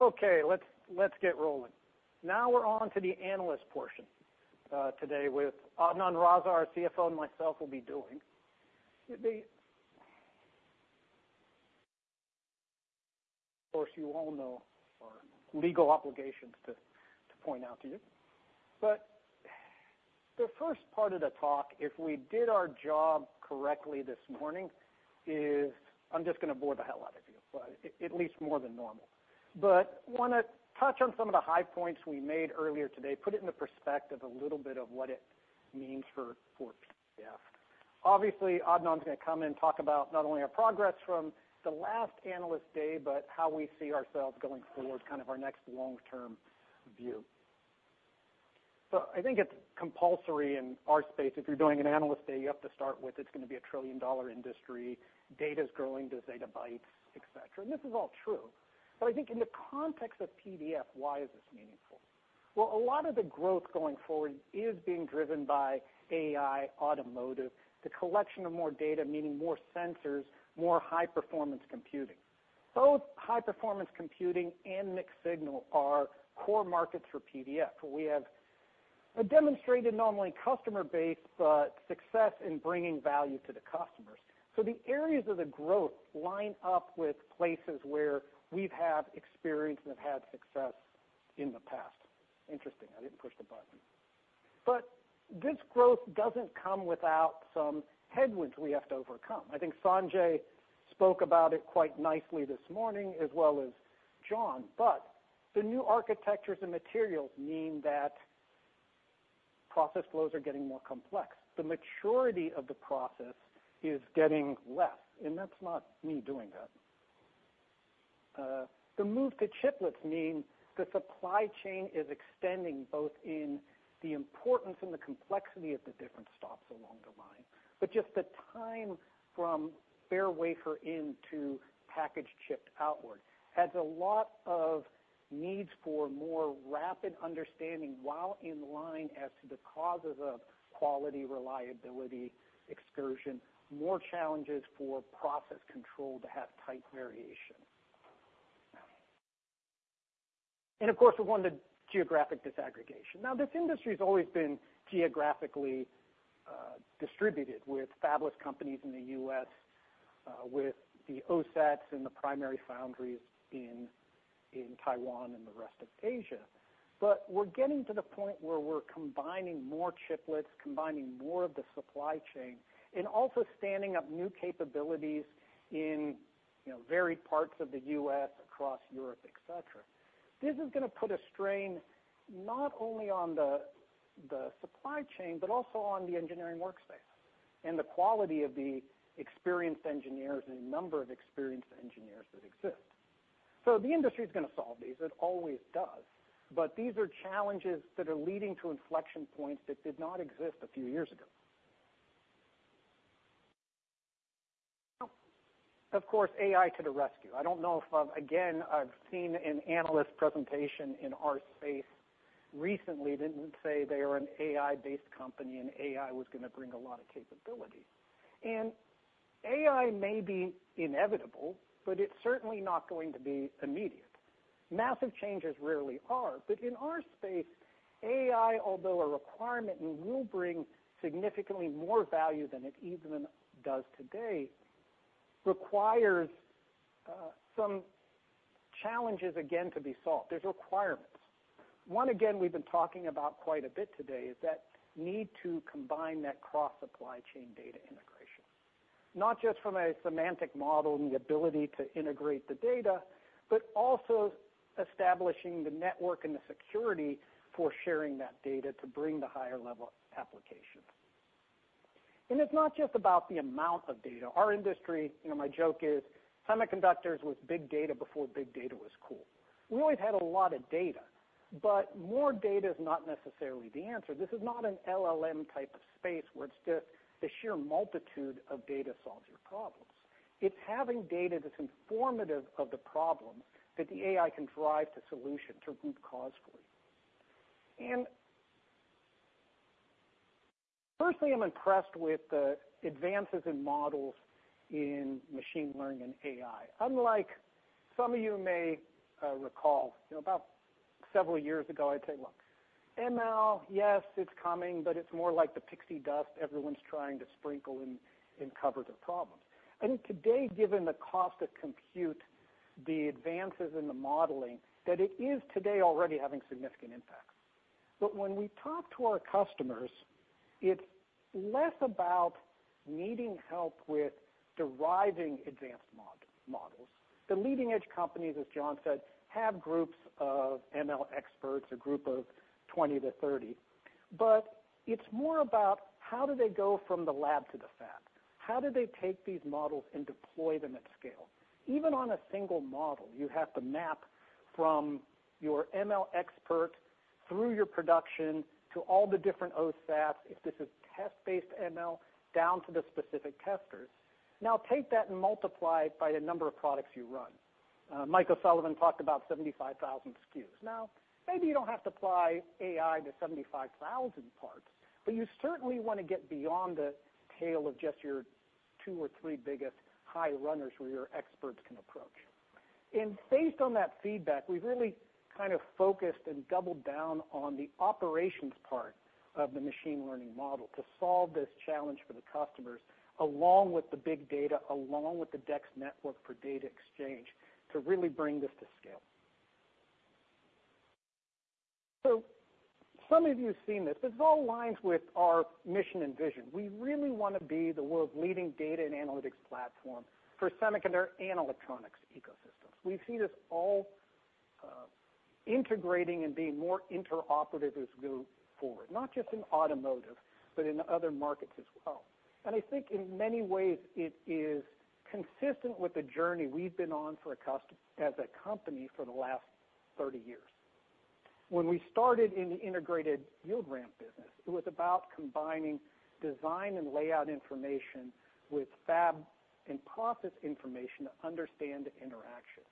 Okay, let's get rolling. Now we're on to the Analyst portion today, with Adnan Raza, our CFO, and myself will be doing. Of course, you all know our legal obligations to point out to you. But the first part of the talk, if we did our job correctly this morning, is I'm just gonna bore the hell out of you, but at least more than normal. But I wanna touch on some of the high points we made earlier today, put it into perspective, a little bit of what it means for PDF. Obviously, Adnan's gonna come and talk about not only our progress from the last Analyst Day, but how we see ourselves going forward, kind of our next long-term view. So I think it's compulsory in our space, if you're doing an Analyst Day, you have to start with, it's gonna be a trillion-dollar industry, data's growing to zettabytes, etc., and this is all true. But I think in the context of PDF, why is this meaningful? Well, a lot of the growth going forward is being driven by AI, Automotive, the collection of more data, meaning more sensors, more high-performance computing. Both high-performance computing and mixed signal are core markets for PDF. We have a demonstrated not only customer base, but success in bringing value to the customers. So the areas of the growth line up with places where we've had experience and have had success in the past. Interesting, I didn't push the button. But this growth doesn't come without some headwinds we have to overcome. I think Sanjay spoke about it quite nicely this morning, as well as John, but the new architectures and materials mean that process flows are getting more complex. The maturity of the process is getting less, and that's not me doing that. The move to chiplets mean the supply chain is extending both in the importance and the complexity of the different stops along the line. But just the time from bare wafer into packaged chip outward, has a lot of needs for more rapid understanding while in line as to the causes of quality, reliability, excursion, more challenges for process control to have tight variation. And of course, we want the geographic disaggregation. Now, this industry has always been geographically distributed with fabless companies in the U.S., with the OSATs and the primary foundries in Taiwan and the rest of Asia. But we're getting to the point where we're combining more chiplets, combining more of the supply chain, and also standing up new capabilities in, you know, varied parts of the U.S., across Europe, etc.. This is gonna put a strain not only on the, the supply chain, but also on the engineering workspace, and the quality of the experienced engineers and the number of experienced engineers that exist. So the industry is gonna solve these, it always does, but these are challenges that are leading to inflection points that did not exist a few years ago. Of course, AI to the rescue. I don't know if, again, I've seen an analyst presentation in our space recently, didn't say they are an AI-Based Company, and AI was gonna bring a lot of capability. And AI may be inevitable, but it's certainly not going to be immediate. Massive changes rarely are, but in our space, AI, although a requirement and will bring significantly more value than it even does today, requires some challenges, again, to be solved. There's requirements. One, again, we've been talking about quite a bit today, is that need to combine that cross supply chain data integration, not just from a semantic model and the ability to integrate the data, but also establishing the network and the security for sharing that data to bring the higher level application. And it's not just about the amount of data. Our Industry, you know, my joke is: semiconductors was big data before big data was cool. We've always had a lot of data, but more data is not necessarily the answer. This is not an LLM type of space, where it's the sheer multitude of data solves your problems. It's having data that's informative of the problem, that the AI can drive the solution to root cause for you. Firstly, I'm impressed with the advances in models in machine learning and AI. Unlike some of you may recall, you know, about several years ago, I'd say, "Look, ML, yes, it's coming, but it's more like the pixie dust everyone's trying to sprinkle and cover the problems." I think today, given the cost to compute, the advances in the modeling, that it is today already having significant impact. But when we talk to our customers, it's less about needing help with deriving advanced models. The leading-edge companies, as John said, have groups of ML experts, a group of 20-30, but it's more about how do they go from the lab to the fab? How do they take these models and deploy them at scale? Even on a single model, you have to map from your ML expert through your production to all the different OSATs, if this is test-based ML, down to the specific testers. Now, take that and multiply it by the number of products you run. Mike O'Sullivan talked about 75,000 SKUs. Now, maybe you don't have to apply AI to 75,000 parts, but you certainly wanna get beyond the tail of just your two or three biggest high runners where your experts can approach. Based on that feedback, we've really kind of focused and doubled down on the operations part of the machine learning model to solve this challenge for the customers, along with the big data, along with the DEX network for data exchange, to really bring this to scale. Some of you have seen this. This all aligns with our Mission and Vision. We really want to be the world's leading data and Analytics platform for semiconductor and electronics ecosystems. We see this all integrating and being more interoperative as we go forward, not just in automotive, but in other markets as well. I think in many ways, it is consistent with the journey we've been on as a company for the last 30 years. When we started in the Integrated Yield Ramp business, it was about combining design and layout information with fab and process information to understand interaction.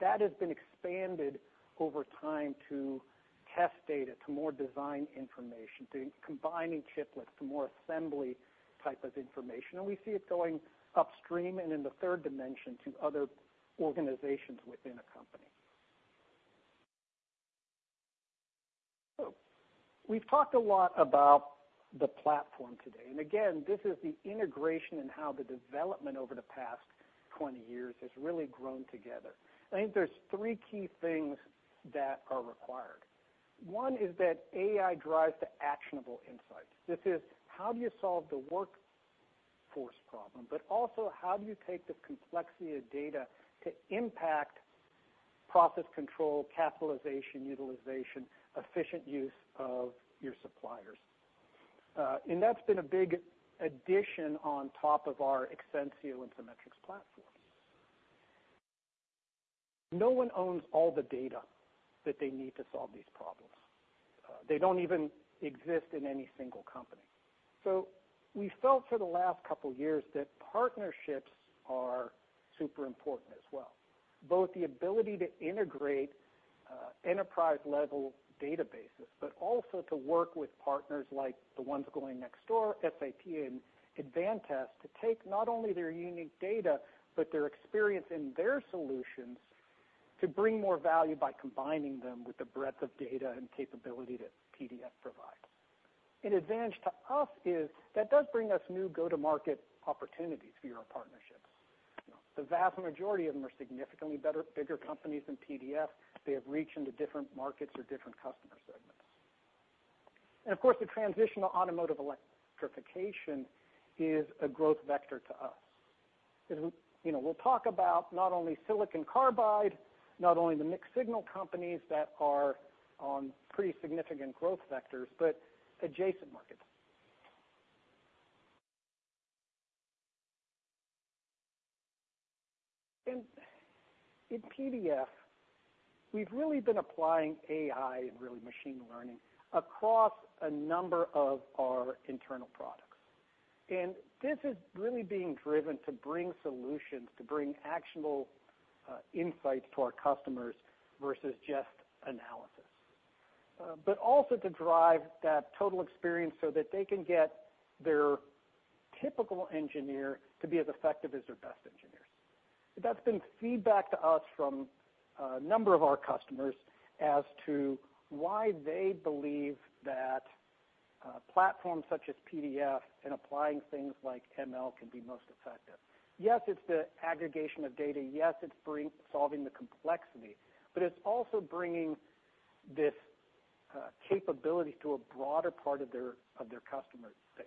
That has been expanded over time to test data, to more design information, to combining chiplets, to more assembly type of information, and we see it going upstream and in the third dimension to other organizations within a company. So we've talked a lot about the platform today, and again, this is the integration and how the development over the past 20 years has really grown together. I think there's three key things that are required. One is that AI drives to actionable insights. This is, how do you solve the workforce problem, but also how do you take the complexity of data to impact process control, capitalization, utilization, efficient use of your suppliers? And that's been a big addition on top of our Exensio and Cimetrix platform. No one owns all the data that they need to solve these problems. They don't even exist in any single company. So we felt for the last couple years that partnerships are super important as well. Both the ability to integrate, enterprise-level databases, but also to work with partners like the ones going next door, SAP and Advantest, to take not only their unique data, but their experience in their solutions, to bring more value by combining them with the breadth of data and capability that PDF provides. An advantage to us is that does bring us new go-to-market opportunities for our partnerships. The vast majority of them are significantly better, bigger companies than PDF. They have reach into different markets or different customer segments. And of course, the transition to automotive electrification is a growth vector to us. You know, we'll talk about not only silicon carbide, not only the mixed signal companies that are on pretty significant growth vectors, but adjacent markets. And in PDF, we've really been applying AI and really machine learning across a number of our internal products. This is really being driven to bring solutions, to bring actionable, insights to our customers versus just analysis. But also to drive that total experience so that they can get their typical engineer to be as effective as their best engineers. That's been feedback to us from a number of our customers as to why they believe that, platforms such as PDF and applying things like ML can be most effective. Yes, it's the aggregation of data. Yes, it's solving the complexity, but it's also bringing this, capability to a broader part of their, of their customer base.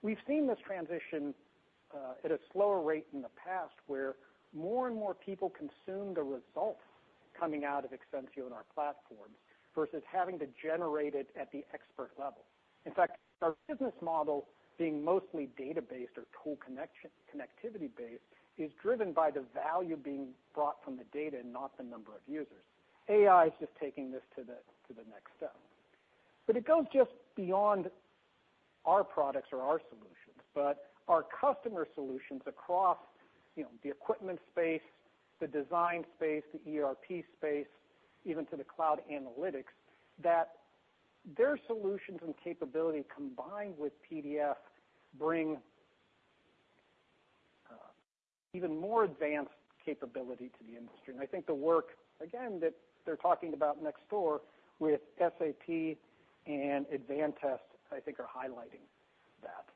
We've seen this transition, at a slower rate in the past, where more and more people consume the results coming out of Exensio in our platforms, versus having to generate it at the expert level. In fact, our business model, being mostly data-based or tool connection-connectivity-based, is driven by the value being brought from the data and not the number of users. AI is just taking this to the next step. But it goes just beyond our products or our solutions, but our customer solutions across, you know, the equipment space, the design space, the ERP space, even to the cloud Analytics, that their solutions and capability combined with PDF bring even more advanced capability to the industry. And I think the work, again, that they're talking about next door with SAP and Advantest, I think, are highlighting that.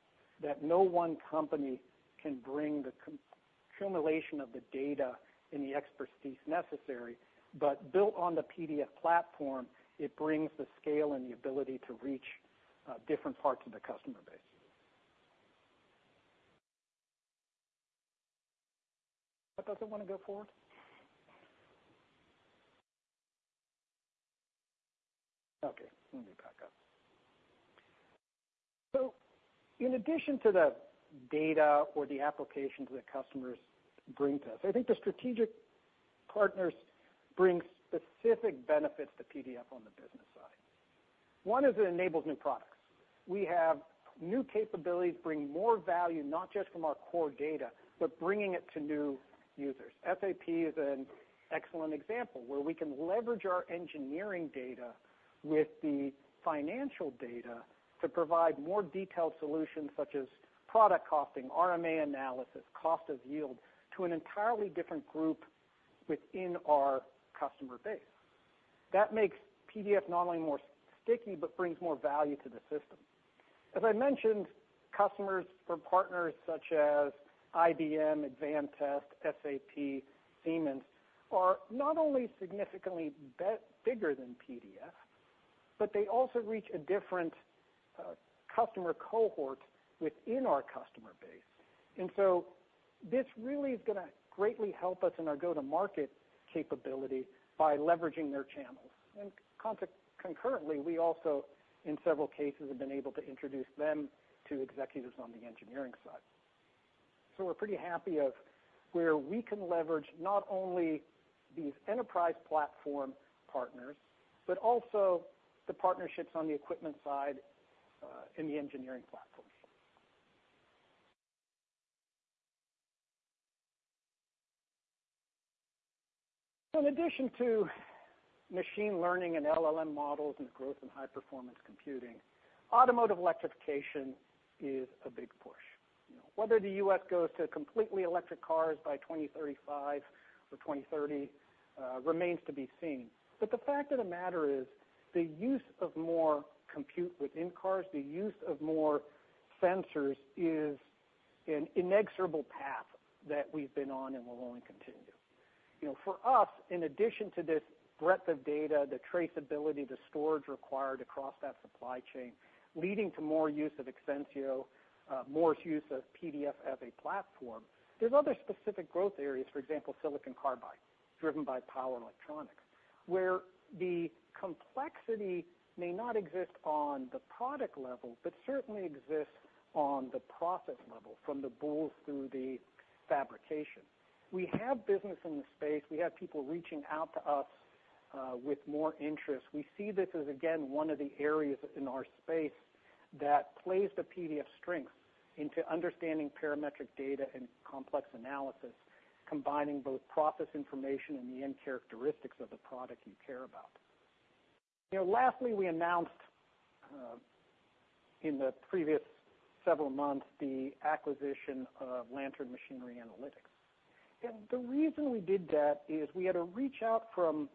That no one company can bring the cumulation of the data and the expertise necessary, but built on the PDF platform, it brings the scale and the ability to reach different parts of the customer base. That doesn't want to go forward? Okay, let me back up. So in addition to the data or the applications that customers bring to us, I think the strategic partners bring specific benefits to PDF on the business side. One is it enables new products. We have new capabilities, bring more value, not just from our core data, but bringing it to new users. SAP is an excellent example, where we can leverage our engineering data... with the financial data to provide more detailed solutions, such as product costing, RMA analysis, cost of yield, to an entirely different group within our customer base. That makes PDF not only more sticky, but brings more value to the system. As I mentioned, customers from partners such as IBM, Advantest, SAP, Siemens, are not only significantly bigger than PDF, but they also reach a different customer cohort within our customer base. And so this really is going to greatly help us in our go-to-market capability by leveraging their channels. And concurrently, we also, in several cases, have been able to introduce them to executives on the engineering side. So we're pretty happy of where we can leverage not only these enterprise platform partners, but also the partnerships on the equipment side, in the engineering platform. So in addition to machine learning and LLM Models and growth in high-performance computing, automotive electrification is a big push. You know, whether the U.S. goes to completely electric cars by 2035 or 2030, remains to be seen. But the fact of the matter is, the use of more compute within cars, the use of more sensors, is an inexorable path that we've been on and will only continue. You know, for us, in addition to this breadth of data, the traceability, the storage required across that Supply Chain, leading to more use of Exensio, more use of PDF as a platform, there's other specific growth areas, for example, Silicon Carbide, driven by Power Electronics, where the complexity may not exist on the product level, but certainly exists on the process level, from the boules through the fabrication. We have business in the space. We have people reaching out to us with more interest. We see this as, again, one of the areas in our space that plays to PDF's strength into understanding parametric data and complex analysis, combining both process information and the end characteristics of the product you care about. You know, lastly, we announced in the previous several months, the acquisition of Lantern Machinery Analytics. And the reason we did that is we had a reach out from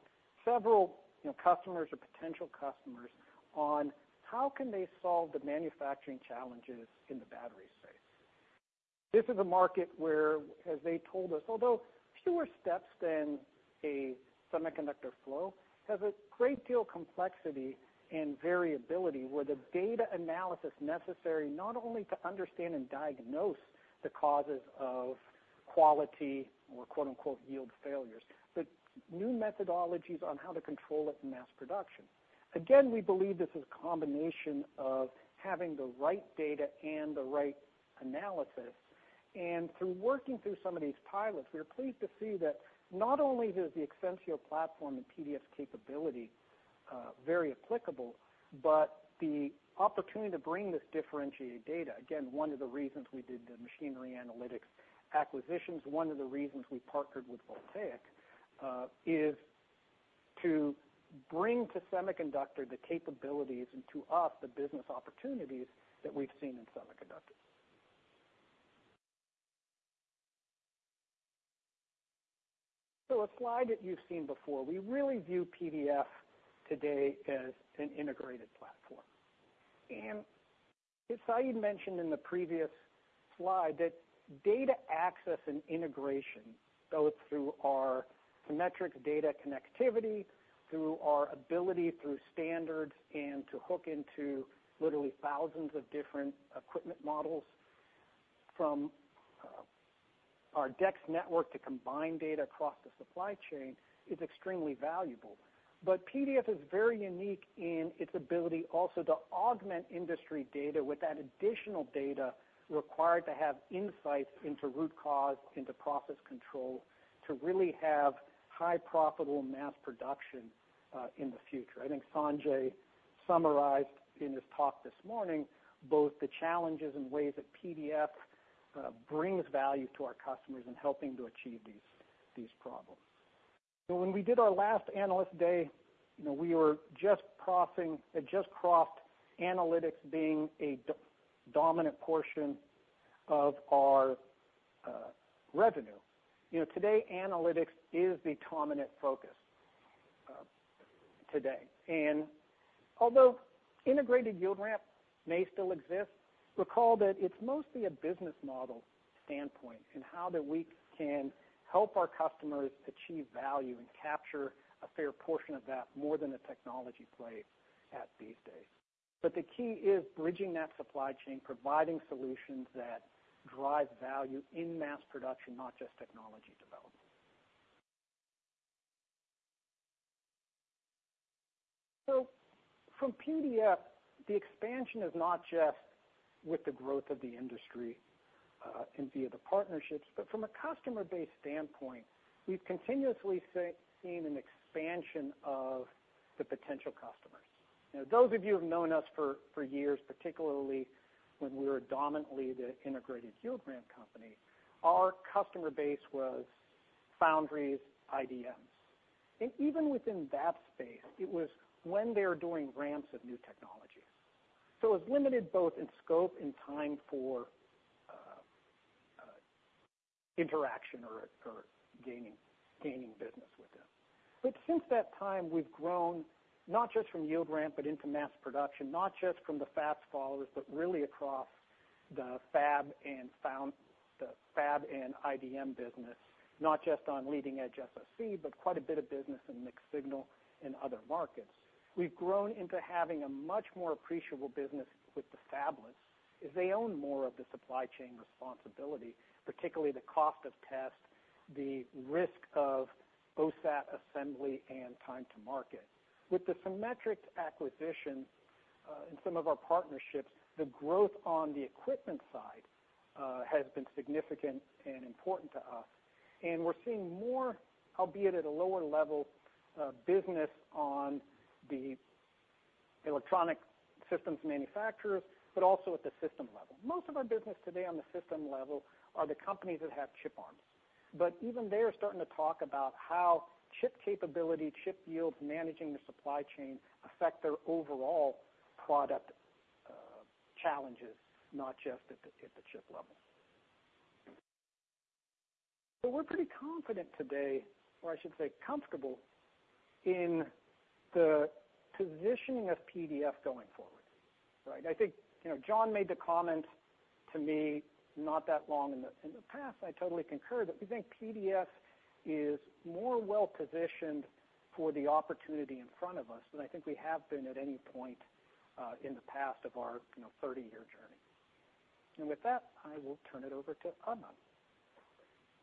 several, you know, customers or potential customers on how can they solve the manufacturing challenges in the battery space. This is a market where, as they told us, although fewer steps than a semiconductor flow, has a great deal of complexity and variability, where the data analysis necessary not only to understand and diagnose the causes of quality or quote-unquote, "yield failures," but new methodologies on how to control it in mass production. Again, we believe this is a combination of having the right data and the right analysis. Through working through some of these pilots, we are pleased to see that not only is the Exensio Platform and PDF's capability very applicable, but the opportunity to bring this differentiated data, again, one of the reasons we did the machinery Analytics acquisitions, one of the reasons we partnered with Voltaiq, is to bring to Semiconductor the capabilities, and to us, the business opportunities that we've seen in semiconductors. So a slide that you've seen before. We really view PDF today as an Integrated Platform. And as Saeed mentioned in the previous slide, that data access and integration, both through our Cimetrix Data Connectivity, through our ability through standards, and to hook into literally thousands of different equipment models from our DEX network to combine data across the Supply Chain, is extremely valuable. But PDF is very unique in its ability also to augment industry data with that additional data required to have insights into root cause, into process control, to really have high profitable mass production in the future. I think Sanjay summarized in his talk this morning both the challenges and ways that PDF brings value to our customers in helping to achieve these problems. So when we did our last Analyst Day, you know, we were just crossing, had just crossed Analytics being a dominant portion of our revenue. You know, today, Analytics is the dominant focus today. Although Integrated Yield Ramp may still exist, recall that it's mostly a business model standpoint and how that we can help our customers achieve value and capture a fair portion of that, more than a technology play at these days. But the key is bridging that supply chain, providing solutions that drive value in mass production, not just technology development. So from PDF, the expansion is not just with the growth of the industry, and via the partnerships, but from a customer base standpoint, we've continuously seen an expansion of the potential customers. You know, those of you who've known us for years, particularly when we were dominantly the Integrated Yield Ramp company, our customer base was foundries, IDMs. And even within that space, it was when they are doing ramps of new technologies. So it was limited both in scope and time for interaction or gaining business with them. But since that time, we've grown not just from yield ramp, but into mass production, not just from the fast followers, but really across the fab and IDM business, not just on leading-edge SoC, but quite a bit of business in mixed signal and other markets. We've grown into having a much more appreciable business with the fabless, as they own more of the supply chain responsibility, particularly the cost of test, the risk of OSAT assembly, and time to market. With the Cimetrix acquisition, and some of our partnerships, the growth on the equipment side, has been significant and important to us, and we're seeing more, albeit at a lower level, business on the electronic systems manufacturers, but also at the system level. Most of our business today on the system level are the companies that have chip arms, but even they are starting to talk about how chip capability, chip yields, managing the supply chain, affect their overall product challenges, not just at the chip level. So we're pretty confident today, or I should say, comfortable, in the positioning of PDF going forward, right? I think, you know, John made the comment to me, not that long in the past, I totally concur, that we think PDF is more well-positioned for the opportunity in front of us than I think we have been at any point in the past of our 30-year journey. And with that, I will turn it over to Adnan.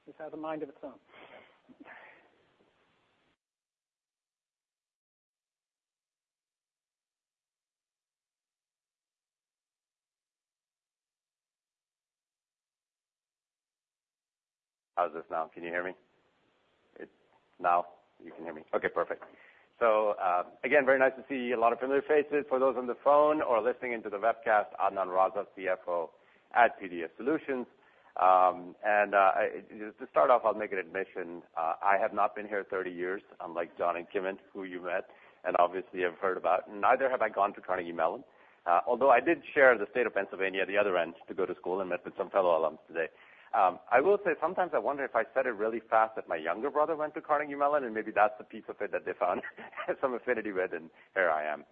This has a mind of its own. How is this now? Can you hear me? Now? You can hear me. Okay, perfect. So, again, very nice to see a lot of familiar faces. For those on the phone or listening into the webcast, Adnan Raza, CFO at PDF Solutions. To start off, I'll make an admission. I have not been here 30 years, unlike John and Kimon, who you met, and obviously, you've heard about. Neither have I gone to Carnegie Mellon, although I did share the state of Pennsylvania at the other end to go to school and met with some fellow alums today. I will say, sometimes I wonder if I said it really fast, that my younger brother went to Carnegie Mellon, and maybe that's the piece of it that they found had some affinity with, and here I am.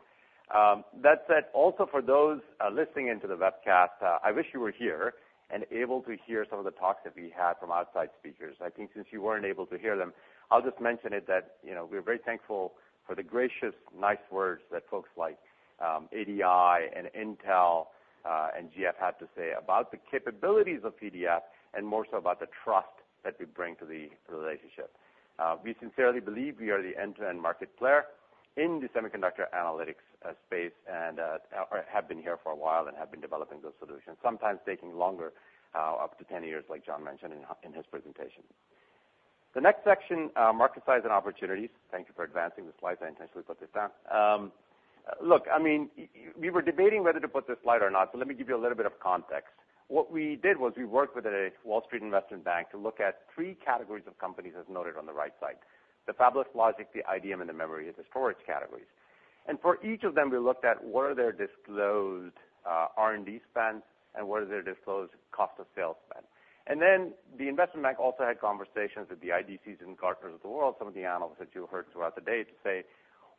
That said, also for those listening into the webcast, I wish you were here and able to hear some of the talks that we had from outside speakers. I think since you weren't able to hear them, I'll just mention it that, you know, we're very thankful for the gracious, nice words that folks like ADI and Intel and GF had to say about the capabilities of PDF and more so about the trust that we bring to the relationship. We sincerely believe we are the end-to-end market player in the semiconductor Analytics space, and have been here for a while and have been developing those solutions, sometimes taking longer, up to 10 years like John mentioned in his presentation. The next section, market size and opportunities. Thank you for advancing the slides. I intentionally put this down. Look, I mean, we were debating whether to put this slide or not, so let me give you a little bit of context. What we did was we worked with a Wall Street investment bank to look at three categories of companies, as noted on the right side: the fabless logic, the IDM, and the memory and the storage categories. For each of them, we looked at what are their disclosed R&D spends and what are their disclosed cost of sales spend. Then the investment bank also had conversations with the IDCs and Gartners of the world, some of the analysts that you heard throughout the day, to say,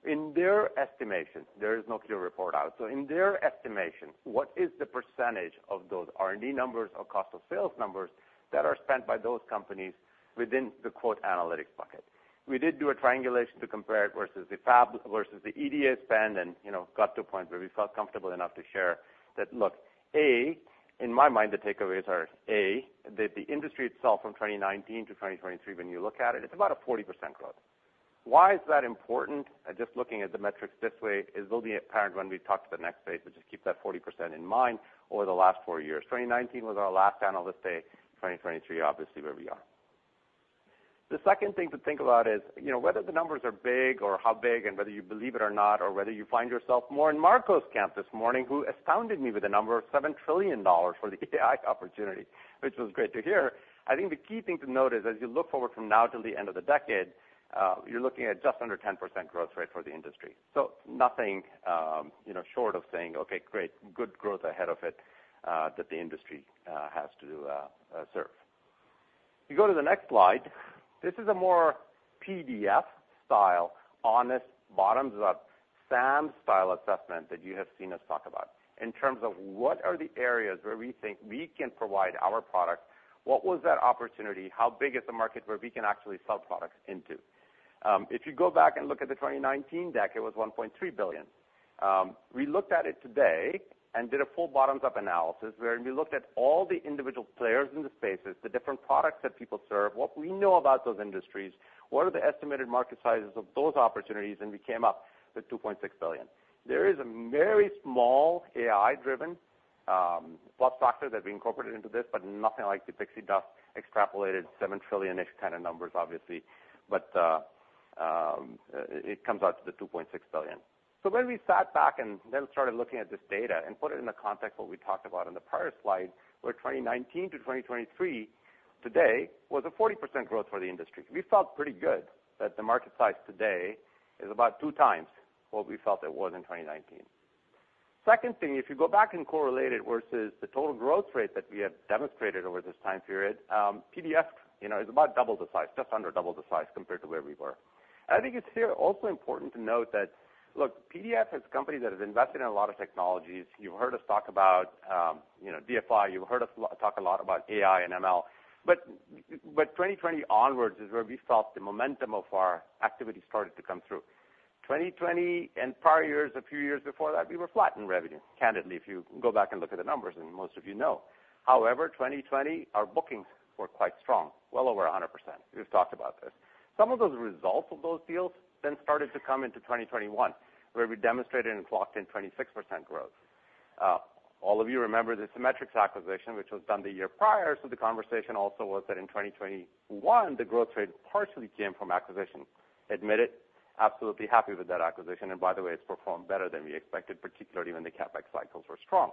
in their estimations, there is no clear report out. So in their estimations, what is the percentage of those R&D numbers or cost of sales numbers that are spent by those companies within the, quote, "Analytics bucket"? We did do a triangulation to compare it versus the fab, versus the EDA spend, and, you know, got to a point where we felt comfortable enough to share that, look, A, in my mind, the takeaways are, A, that the industry itself, from 2019 to 2023, when you look at it, it's about a 40% growth. Why is that important? Just looking at the metrics this way, it will be apparent when we talk to the next page, but just keep that 40% in mind over the last four years. 2019 was our last Analyst Day, 2023, obviously, where we are. The second thing to think about is, you know, whether the numbers are big or how big and whether you believe it or not, or whether you find yourself more in Marc's camp this morning, who astounded me with a number of $7 trillion for the AI opportunity, which was great to hear. I think the key thing to note is, as you look forward from now till the end of the decade, you're looking at just under 10% growth rate for the industry. So nothing, you know, short of saying, "Okay, great, good growth ahead of it," that the industry has to serve. You go to the next slide. This is a more PDF style, honest, bottoms-up, SAM-style assessment that you have seen us talk about. In terms of what are the areas where we think we can provide our product, what was that opportunity? How big is the market where we can actually sell products into? If you go back and look at the 2019 deck, it was $1.3 billion. We looked at it today and did a full bottoms-up analysis, where we looked at all the individual players in the spaces, the different products that people serve, what we know about those industries, what are the estimated market sizes of those opportunities, and we came up with $2.6 billion. There is a very small AI-Driven plus factor that we incorporated into this, but nothing like the pixie dust extrapolated 7 trillion-ish kind of numbers, obviously. But it comes out to the $2.6 billion. When we sat back and then started looking at this data and put it in the context what we talked about in the prior slide, where 2019 to 2023 today was a 40% growth for the industry. We felt pretty good that the market size today is about two times what we felt it was in 2019. Second thing, if you go back and correlate it versus the total growth rate that we have demonstrated over this time period, PDF, you know, is about double the size, just under double the size compared to where we were. I think it's here also important to note that, look, PDF is a company that has invested in a lot of technologies. You've heard us talk about, you know, DFI. You've heard us talk a lot about AI and ML, but 2020 onwards is where we felt the momentum of our activity started to come through. 2020 and prior years, a few years before that, we were flat in revenue, candidly, if you go back and look at the numbers, and most of you know. However, 2020, our bookings were quite strong, well over 100%. We've talked about this. Some of those results of those deals then started to come into 2021, where we demonstrated and clocked in 26% growth. All of you remember the Cimetrix acquisition, which was done the year prior. So the conversation also was that in 2021, the growth rate partially came from acquisition. Admit it, absolutely happy with that acquisition, and by the way, it's performed better than we expected, particularly when the CapEx cycles were strong.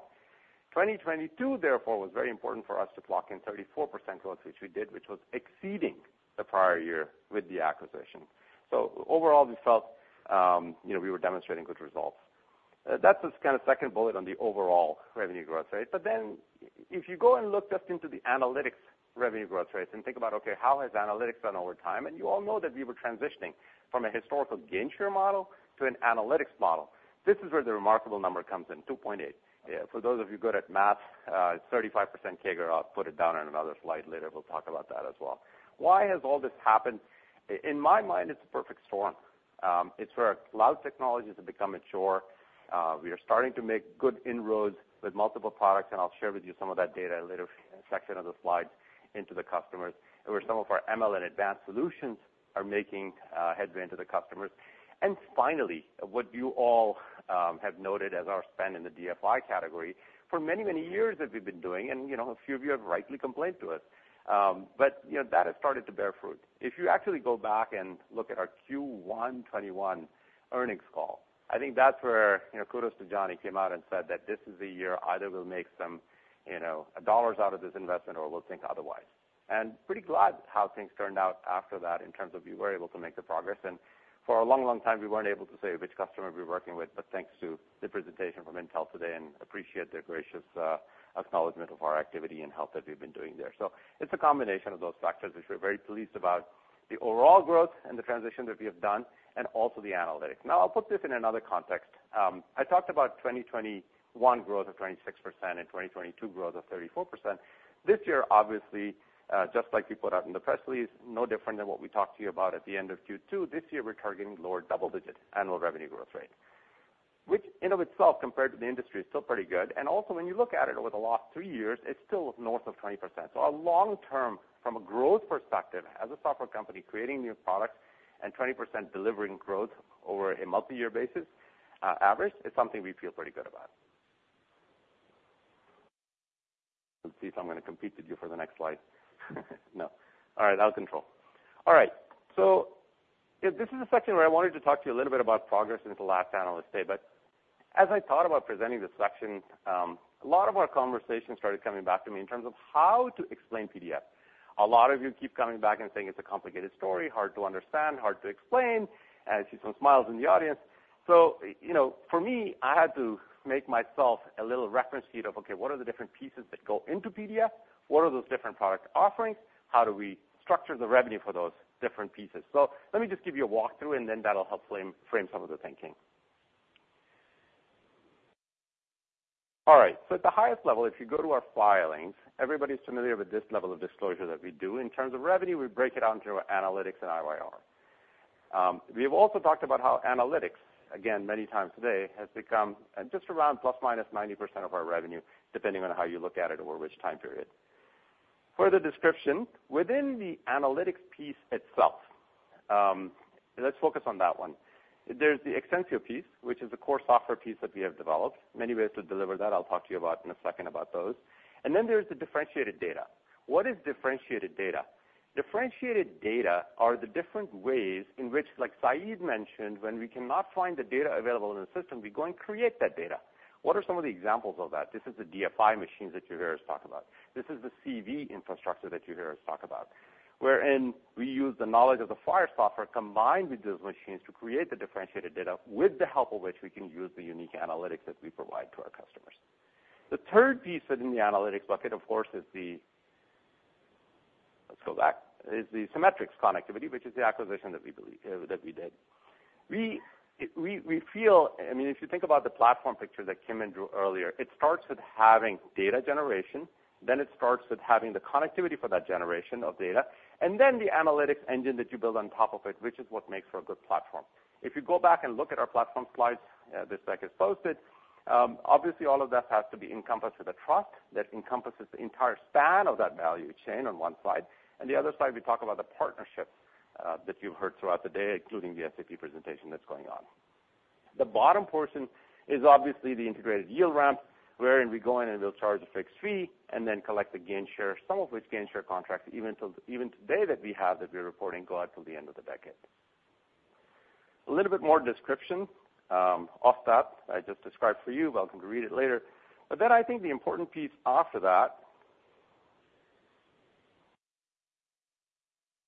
2022, therefore, was very important for us to clock in 34% growth, which we did, which was exceeding the prior year with the acquisition. So overall, we felt, you know, we were demonstrating good results. That's the kind of second bullet on the overall revenue growth rate. But then if you go and look just into the Analytics revenue growth rates and think about, okay, how has Analytics done over time? And you all know that we were transitioning from a historical gain share model to an Analytics Model. This is where the remarkable number comes in, 2.8. For those of you good at math, it's 35% CAGR. I'll put it down on another slide later. We'll talk about that as well. Why has all this happened? In my mind, it's a perfect storm. It's where our cloud technologies have become mature. We are starting to make good inroads with multiple products, and I'll share with you some of that data a little section of the slide into the customers, and where some of our ML and advanced solutions are making headway into the customers. And finally, what you all have noted as our spend in the DFI category, for many, many years that we've been doing, and, you know, a few of you have rightly complained to us. But, you know, that has started to bear fruit. If you actually go back and look at our Q1 2021 earnings call, I think that's where, you know, kudos to Johnny, came out and said that this is the year either we'll make some, you know, dollars out of this investment, or we'll think otherwise. And pretty glad how things turned out after that in terms of we were able to make the progress, and for a long, long time, we weren't able to say which customer we're working with. But thanks to the presentation from Intel today, and appreciate their gracious acknowledgment of our activity and help that we've been doing there. So it's a combination of those factors, which we're very pleased about the overall growth and the transition that we have done and also the Analytics. Now, I'll put this in another context. I talked about 2021 growth of 26% and 2022 growth of 34%. This year, obviously, just like we put out in the press release, no different than what we talked to you about at the end of Q2. This year, we're targeting lower double-digit annual revenue growth rate, which in of itself, compared to the industry, is still pretty good. And also, when you look at it over the last three years, it's still north of 20%. So our long term, from a growth perspective, as a Software company, creating new products and 20% delivering growth over a multiyear basis, average, is something we feel pretty good about. Let's see if I'm gonna compete with you for the next slide. No. All right, out of control. All right, so this is a section where I wanted to talk to you a little bit about progress into the last analyst day. But as I thought about presenting this section, a lot of our conversations started coming back to me in terms of how to explain PDF. A lot of you keep coming back and saying it's a complicated story, hard to understand, hard to explain, and I see some smiles in the audience. So, you know, for me, I had to make myself a little reference sheet of, okay, what are the different pieces that go into PDF? What are those different product offerings? How do we structure the revenue for those different pieces? So let me just give you a walkthrough, and then that'll help frame some of the thinking. All right, so at the highest level, if you go to our filings, everybody's familiar with this level of disclosure that we do. In terms of revenue, we break it out into Analytics and IYR. We've also talked about how Analytics, again, many times today, has become just around ±90% of our revenue, depending on how you look at it or which time period. Further description, within the Analytics piece itself, let's focus on that one. There's the Exensio piece, which is the core software piece that we have developed. Many ways to deliver that. I'll talk to you about in a second about those. And then there's the differentiated data. What is differentiated data? Differentiated data are the different ways in which, like Saeed mentioned, when we cannot find the data available in the system, we go and create that data. What are some of the examples of that? This is the DFI machines that you hear us talk about. This is the CV infrastructure that you hear us talk about, wherein we use the knowledge of the FIRE software combined with those machines to create the differentiated data, with the help of which we can use the unique Analytics that we provide to our customers. The third piece within the Analytics bucket, of course, is the, Let's go back, is the Cimetrix connectivity, which is the acquisition that we believe, that we did. We feel, I mean, if you think about the platform picture that Kim drew earlier, it starts with having data generation, then it starts with having the connectivity for that generation of data, and then the Analytics engine that you build on top of it, which is what makes for a good platform. If you go back and look at our platform slides, this deck is posted, obviously, all of that has to be encompassed with a trust that encompasses the entire span of that value chain on one side. And the other side, we talk about the partnership that you've heard throughout the day, including the SAP presentation that's going on.... The bottom portion is obviously the Integrated Yield Ramp, wherein we go in and we'll charge a fixed fee and then collect the Gain Share, some of which Gain Share contracts, even today that we have, that we're reporting go out till the end of the decade. A little bit more description off that I just described for you. Welcome to read it later. But then I think the important piece after that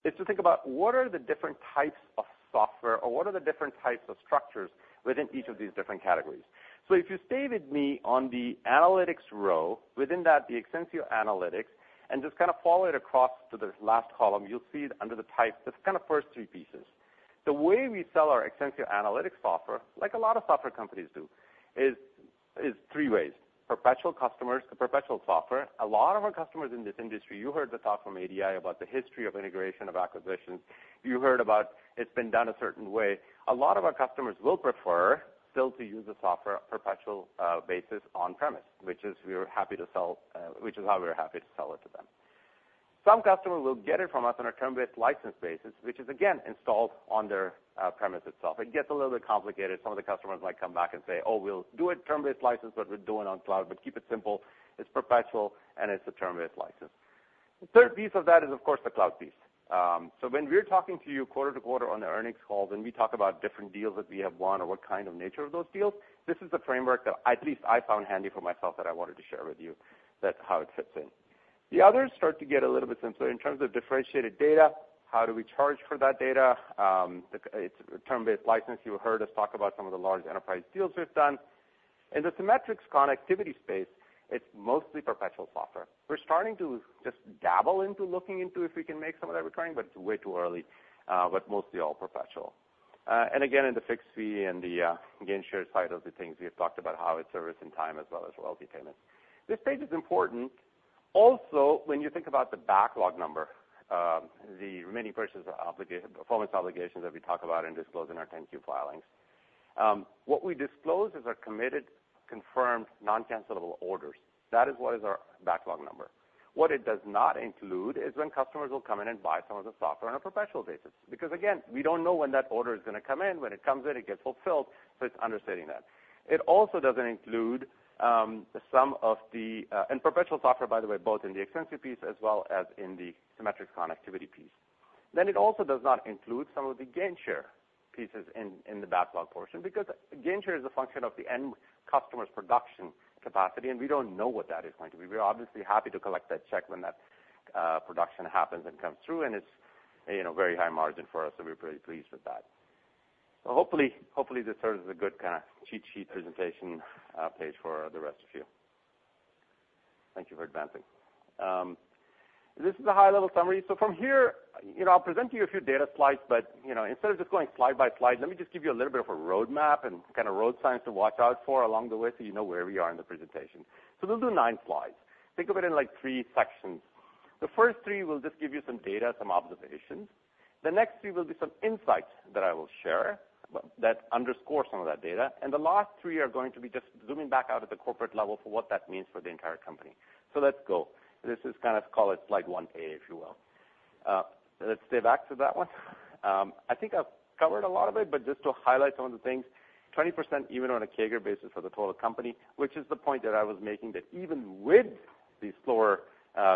is to think about what are the different types of software or what are the different types of structures within each of these different categories? So if you stay with me on the Analytics row, within that, the Exensio Analytics, and just kind of follow it across to this last column, you'll see it under the type, the kind of first three pieces. The way we sell our Exensio Analytics software, like a lot of software companies do, is, is three ways: perpetual customers to perpetual software. A lot of our customers in this industry, you heard the talk from ADI about the history of integration, of acquisitions. You heard about it's been done a certain way. A lot of our customers will prefer still to use the software perpetual basis on-premises, which is we are happy to sell, which is how we are happy to sell it to them. Some customers will get it from us on a term-based license basis, which is again, installed on their premises itself. It gets a little bit complicated. Some of the customers might come back and say, "Oh, we'll do a term-based license, but we're doing on cloud." But keep it simple. It's perpetual, and it's a term-based license. The third piece of that is, of course, the cloud piece. So when we're talking to you quarter to quarter on the earnings call, then we talk about different deals that we have won or what kind of nature of those deals. This is the framework that at least I found handy for myself that I wanted to share with you. That's how it fits in. The others start to get a little bit simpler. In terms of differentiated data, how do we charge for that data? It's term-based license. You heard us talk about some of the large enterprise deals we've done. In the Cimetrix Connectivity space, it's mostly perpetual software. We're starting to just dabble into looking into if we can make some of that recurring, but it's way too early, but mostly all perpetual. And again, in the fixed fee and the Gain Share side of the things, we have talked about how it's service and time as well as royalty payment. This page is important. Also, when you think about the backlog number, the remaining performance obligations that we talk about and disclose in our 10-Q filings. What we disclose is our committed, confirmed, non-cancelable orders. That is what is our backlog number. What it does not include is when customers will come in and buy some of the software on a perpetual basis. Because again, we don't know when that order is gonna come in. When it comes in, it gets fulfilled, so it's understating that. It also doesn't include some of the... And perpetual software, by the way, both in the Exensio piece as well as in the Cimetrix Connectivity piece. Then it also does not include some of the Gain Share pieces in the backlog portion, because Gain Share is a function of the end customer's production capacity, and we don't know what that is going to be. We're obviously happy to collect that check when that production happens and comes through, and it's, you know, very high margin for us, so we're pretty pleased with that. So hopefully, hopefully, this serves as a good kind of cheat sheet presentation page for the rest of you. Thank you for advancing. This is a high-level summary. So from here, you know, I'll present to you a few data slides, but, you know, instead of just going slide by slide, let me just give you a little bit of a roadmap and kind of road signs to watch out for along the way so you know where we are in the presentation. So we'll do nine slides. Think of it in, like, three sections. The first three will just give you some data, some observations. The next three will be some insights that I will share, that underscore some of that data. And the last three are going to be just zooming back out at the corporate level for what that means for the entire company. So let's go. This is kind of, call it slide 1A, if you will. Let's stay back to that one. I think I've covered a lot of it, but just to highlight some of the things, 20%, even on a CAGR basis for the total company, which is the point that I was making, that even with the slower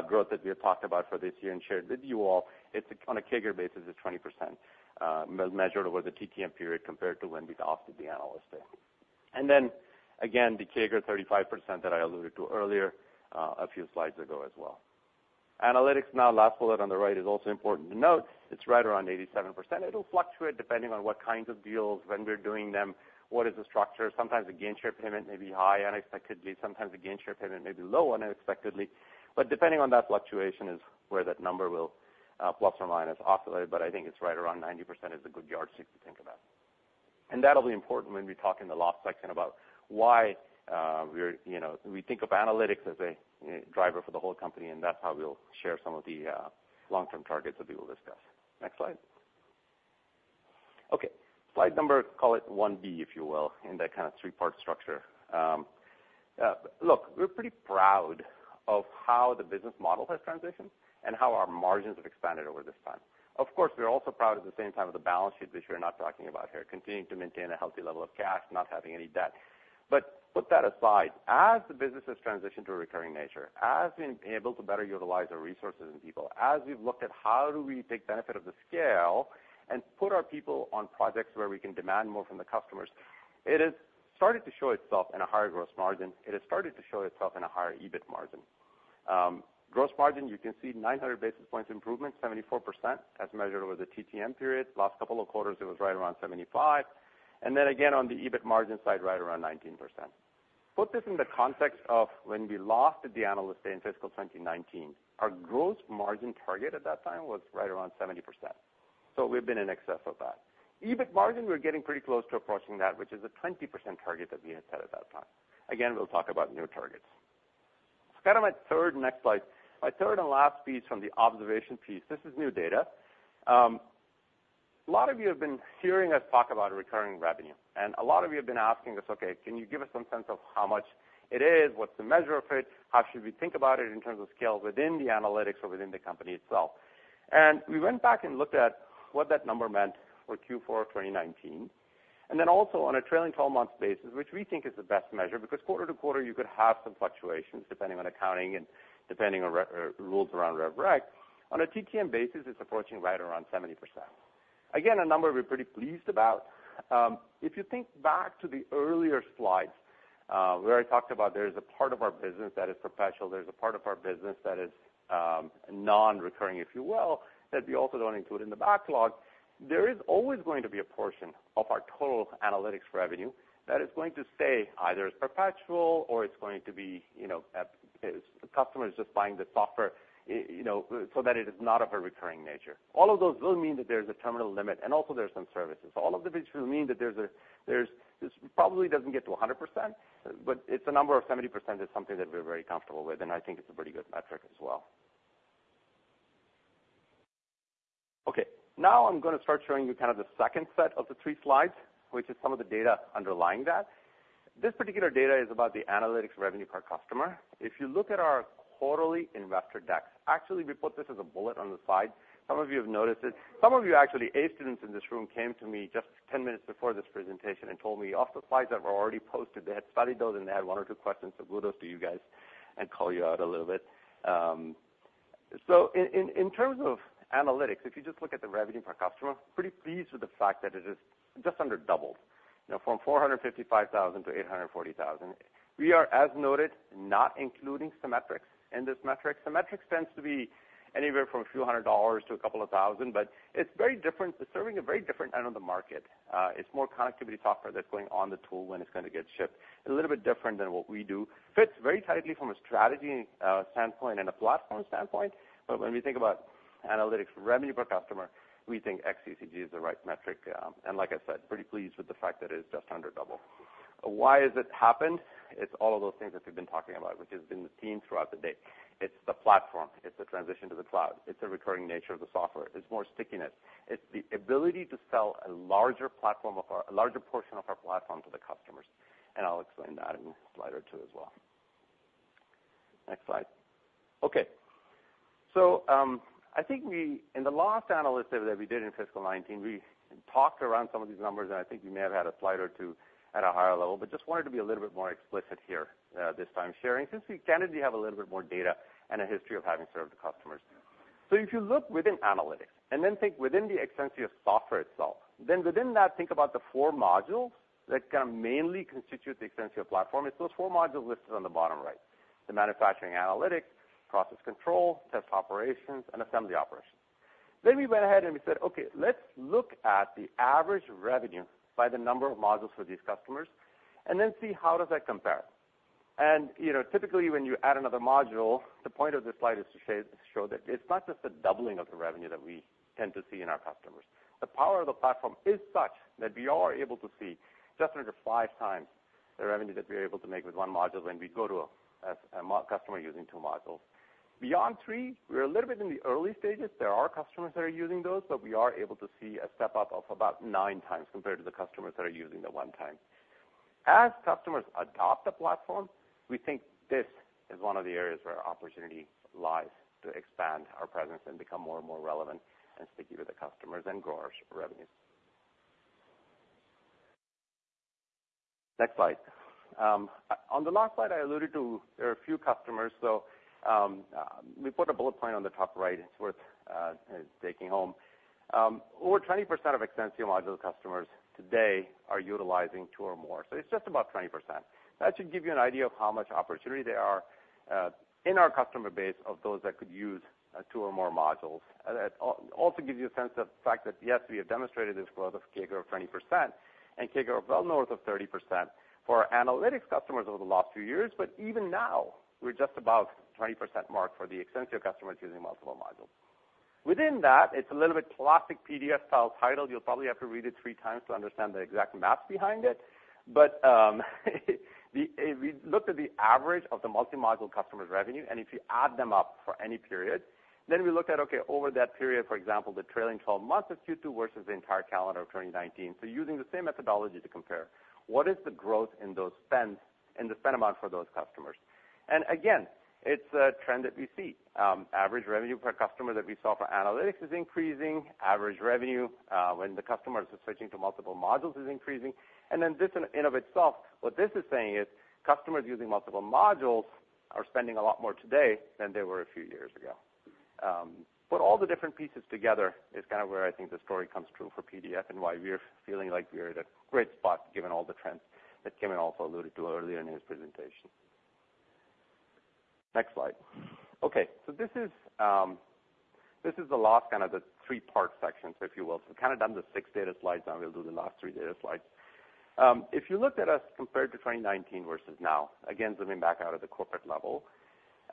growth that we had talked about for this year and shared with you all, it's on a CAGR basis, is 20%, measured over the TTM period compared to when we talked at the Analyst Day. And then again, the CAGR, 35% that I alluded to earlier, a few slides ago as well. Analytics now, last bullet on the right is also important to note. It's right around 87%. It'll fluctuate depending on what kinds of deals, when we're doing them, what is the structure? Sometimes the gain share payment may be high unexpectedly, sometimes the gain share payment may be low unexpectedly. But depending on that fluctuation is where that number will, plus or minus oscillate, but I think it's right around 90% is a good yardstick to think about. And that'll be important when we talk in the last section about why, we're, You know, we think of Analytics as a driver for the whole company, and that's how we'll share some of the, long-term targets that we will discuss. Next slide. Okay, slide number, call it 1B, if you will, in that kind of three-part structure. Look, we're pretty proud of how the business model has transitioned and how our margins have expanded over this time. Of course, we're also proud at the same time of the balance sheet, which we're not talking about here, continuing to maintain a healthy level of cash, not having any debt. But put that aside, as the business has transitioned to a recurring nature, as we've been able to better utilize our resources and people, as we've looked at how do we take benefit of the scale and put our people on projects where we can demand more from the customers, it has started to show itself in a higher gross margin. It has started to show itself in a higher EBIT margin. Gross margin, you can see 900 basis points improvement, 74% as measured over the TTM period. Last couple of quarters, it was right around 75, and then again, on the EBIT margin side, right around 19%. Put this in the context of when we last at the Analyst Day in fiscal 2019, our gross margin target at that time was right around 70%. So we've been in excess of that. EBIT margin, we're getting pretty close to approaching that, which is a 20% target that we had set at that time. Again, we'll talk about new targets. So kind of my third next slide, my third and last piece from the observation piece, this is new data. A lot of you have been hearing us talk about recurring revenue, and a lot of you have been asking us: "Okay, can you give us some sense of how much it is? What's the measure of it? How should we think about it in terms of scale within the Analytics or within the company itself?"... We went back and looked at what that number meant for Q4 of 2019, and then also on a trailing twelve-month basis, which we think is the best measure, because quarter to quarter, you could have some fluctuations depending on accounting and depending on Rev Rec rules. On a TTM basis, it's approaching right around 70%. Again, a number we're pretty pleased about. If you think back to the earlier slides, where I talked about there is a part of our business that is perpetual, there's a part of our business that is nonrecurring, if you will, that we also don't include in the backlog. There is always going to be a portion of our total Analytics revenue that is going to stay either as perpetual or it's going to be, you know, as the customer is just buying the software, you know, so that it is not of a recurring nature. All of those will mean that there's a terminal limit, and also there are some services. So all of these things mean that there's a terminal limit. This probably doesn't get to 100%, but it's a number of 70% is something that we're very comfortable with, and I think it's a pretty good metric as well. Okay, now I'm gonna start showing you kind of the second set of the 3 slides, which is some of the data underlying that. This particular data is about the Analytics revenue per customer. If you look at our quarterly investor decks, actually, we put this as a bullet on the slide. Some of you have noticed it. Some of you actually, A students in this room, came to me just 10 minutes before this presentation and told me of the slides that were already posted. They had studied those, and they had one or two questions, so kudos to you guys and call you out a little bit. So in terms of Analytics, if you just look at the revenue per customer, pretty pleased with the fact that it is just under double, you know, from $455,000 to $840,000. We are, as noted, not including some metrics. In this metric, some metrics tends to be anywhere from a few hundred dollars to a couple of thousand dollars, but it's very different. It's serving a very different end of the market. It's more connectivity software that's going on the tool when it's gonna get shipped. A little bit different than what we do. Fits very tightly from a strategy standpoint and a platform standpoint. But when we think about Analytics revenue per customer, we think xCCG is the right metric. And like I said, pretty pleased with the fact that it's just under double. Why does it happen? It's all of those things that we've been talking about, which has been the theme throughout the day. It's the platform. It's the transition to the cloud. It's the recurring nature of the software. It's more stickiness. It's the ability to sell a larger platform of our - a larger portion of our platform to the customers, and I'll explain that in a slide or two as well. Next slide. Okay, so, I think we, in the last Analytics that we did in fiscal 2019, we talked around some of these numbers, and I think we may have had a slide or two at a higher level, but just wanted to be a little bit more explicit here, this time sharing, since we currently have a little bit more data and a history of having served the customers. So if you look within Analytics, and then think within the Exensio software itself, then within that, think about the four modules that kind of mainly constitute the Exensio Platform. It's those four modules listed on the bottom right, the Manufacturing Analytics, process control, test operations, and assembly operations. Then we went ahead and we said, "Okay, let's look at the average revenue by the number of modules for these customers and then see how does that compare?" And, you know, typically, when you add another module, the point of this slide is to say, show that it's not just the doubling of the revenue that we tend to see in our customers. The power of the platform is such that we are able to see just under 5x the revenue that we're able to make with one module when we go to a customer using two modules. Beyond three, we're a little bit in the early stages. There are customers that are using those, but we are able to see a step up of about nine times compared to the customers that are using the one time. As customers adopt the platform, we think this is one of the areas where opportunity lies to expand our presence and become more and more relevant and sticky with the customers and grow our revenue. Next slide. On the last slide, I alluded to there are a few customers, so, we put a bullet point on the top right. It's worth, taking home. Over 20% of Exensio module customers today are utilizing two or more, so it's just about 20%. That should give you an idea of how much opportunity there are, in our customer base of those that could use, two or more modules. That also gives you a sense of the fact that, yes, we have demonstrated this growth of CAGR of 20% and CAGR well north of 30% for our Analytics customers over the last few years. But even now, we're just about 20% mark for the Exensio customers using multiple modules. Within that, it's a little bit classic PDF-style title. You'll probably have to read it three times to understand the exact math behind it, but, if we looked at the average of the multi-module customers' revenue, and if you add them up for any period, then we looked at, okay, over that period, for example, the trailing twelve months of Q2 versus the entire calendar of 2019. So using the same methodology to compare, what is the growth in those spends, in the spend amount for those customers? And again, it's a trend that we see. Average revenue per customer that we saw for Analytics is increasing. Average revenue, when the customers are switching to multiple modules is increasing. And then this in and of itself, what this is saying is customers using multiple modules are spending a lot more today than they were a few years ago. But all the different pieces together is kind of where I think the story comes true for PDF and why we're feeling like we're at a great spot, given all the trends that Kim also alluded to earlier in his presentation. Next slide. Okay, so this is, this is the last kind of the three-part sections, if you will. So kind of done the six data slides, now we'll do the last three data slides. If you looked at us compared to 2019 versus now, again, zooming back out at the corporate level,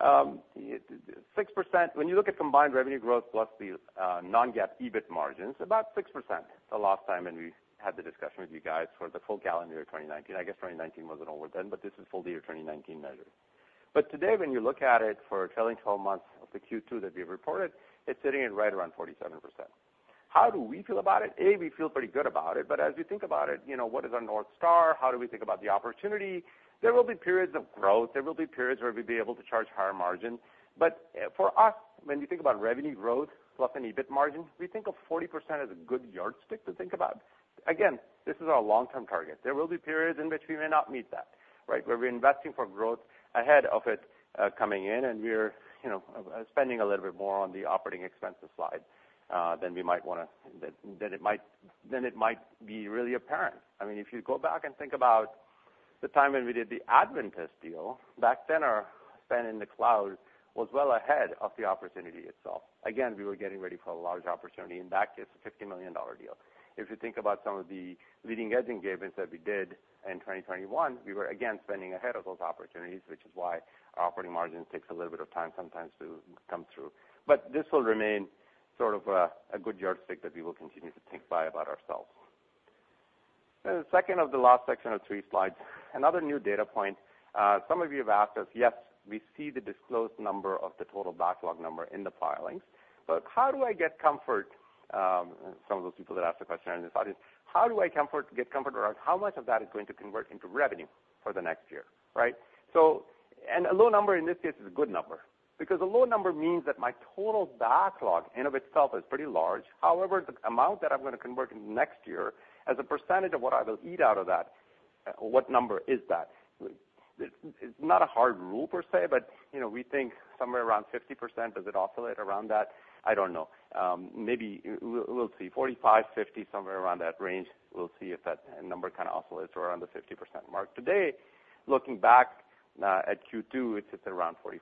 6%—when you look at combined revenue growth plus the Non-GAAP EBIT margins, about 6% the last time, and we had the discussion with you guys for the full calendar year of 2019. I guess 2019 wasn't over then, but this is full year 2019 measure. But today, when you look at it for a trailing twelve months of the Q2 that we've reported, it's sitting at right around 47%. How do we feel about it? A, we feel pretty good about it, but as we think about it, you know, what is our North Star? How do we think about the opportunity? There will be periods of growth. There will be periods where we'll be able to charge higher margins. But, for us, when we think about revenue growth plus an EBIT margin, we think of 40% as a good yardstick to think about. Again, this is our long-term target. There will be periods in which we may not meet that, right? Where we're investing for growth ahead of it coming in, and we're, you know, spending a little bit more on the operating expense side than we might wanna, than it might be really apparent. I mean, if you go back and think about the time when we did the Advantest deal, back then, our spend in the cloud was well ahead of the opportunity itself. Again, we were getting ready for a large opportunity, in that case, a $50 million deal. If you think about some of the leading edge engagements that we did in 2021, we were, again, spending ahead of those opportunities, which is why our operating margin takes a little bit of time sometimes to come through. But this will remain sort of a good yardstick that we will continue to think by about ourselves. Then the second of the last section of 3 slides, another new data point. Some of you have asked us, "Yes, we see the disclosed number of the total backlog number in the filings, but how do I get comfort," some of those people that asked the question in this audience, "How do I get comfort around how much of that is going to convert into revenue for the next year?" Right? So, a low number in this case is a good number. Because a low number means that my total backlog, in and of itself, is pretty large. However, the amount that I'm gonna convert into next year, as a percentage of what I will eat out of that, what number is that? It's not a hard rule per se, but, you know, we think somewhere around 50%. Does it oscillate around that? I don't know. Maybe we'll see. 45-50, somewhere around that range. We'll see if that number kind of oscillates around the 50% mark. Today, looking back, at Q2, it's at around 44%.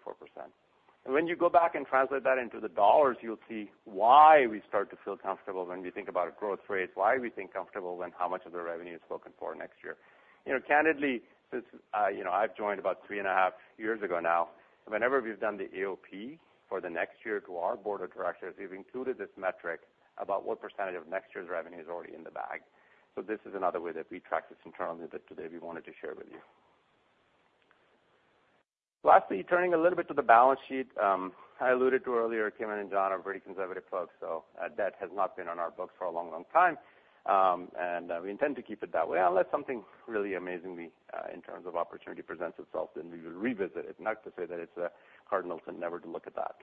And when you go back and translate that into the dollars, you'll see why we start to feel comfortable when we think about growth rates, why we think comfortable when how much of the revenue is spoken for next year. You know, candidly, since you know, I've joined about three and a half years ago now, whenever we've done the AOP for the next year to our board of directors, we've included this metric about what percentage of next year's revenue is already in the bag. So this is another way that we track this internally, that today we wanted to share with you. Lastly, turning a little bit to the balance sheet. I alluded to earlier, Kim and John are very conservative folks, so debt has not been on our books for a long, long time. And we intend to keep it that way, unless something really amazingly in terms of opportunity presents itself, then we will revisit it. Not to say that it's cardinal to never to look at that.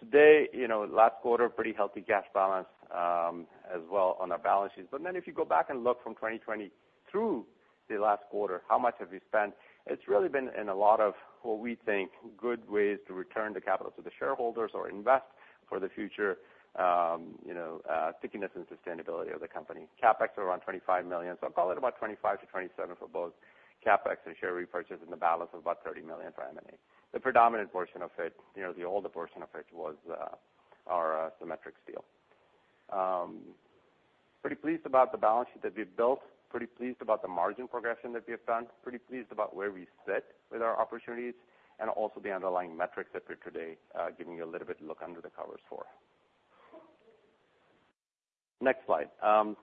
Today, you know, last quarter, pretty healthy cash balance, as well on our balance sheets. But then if you go back and look from 2020 through the last quarter, how much have we spent? It's really been in a lot of what we think, good ways to return the capital to the shareholders or invest for the future, you know, stickiness and sustainability of the company. CapEx are around $25 million, so I'll call it about $25 million-$27 million for both CapEx and share repurchase, and the balance of about $30 million for M&A. The predominant portion of it, you know, the older portion of it was, our, Cimetrix deal. Pretty pleased about the balance sheet that we've built, pretty pleased about the margin progression that we have done, pretty pleased about where we sit with our opportunities, and also the underlying metrics that we're today giving you a little bit look under the covers for. Next slide.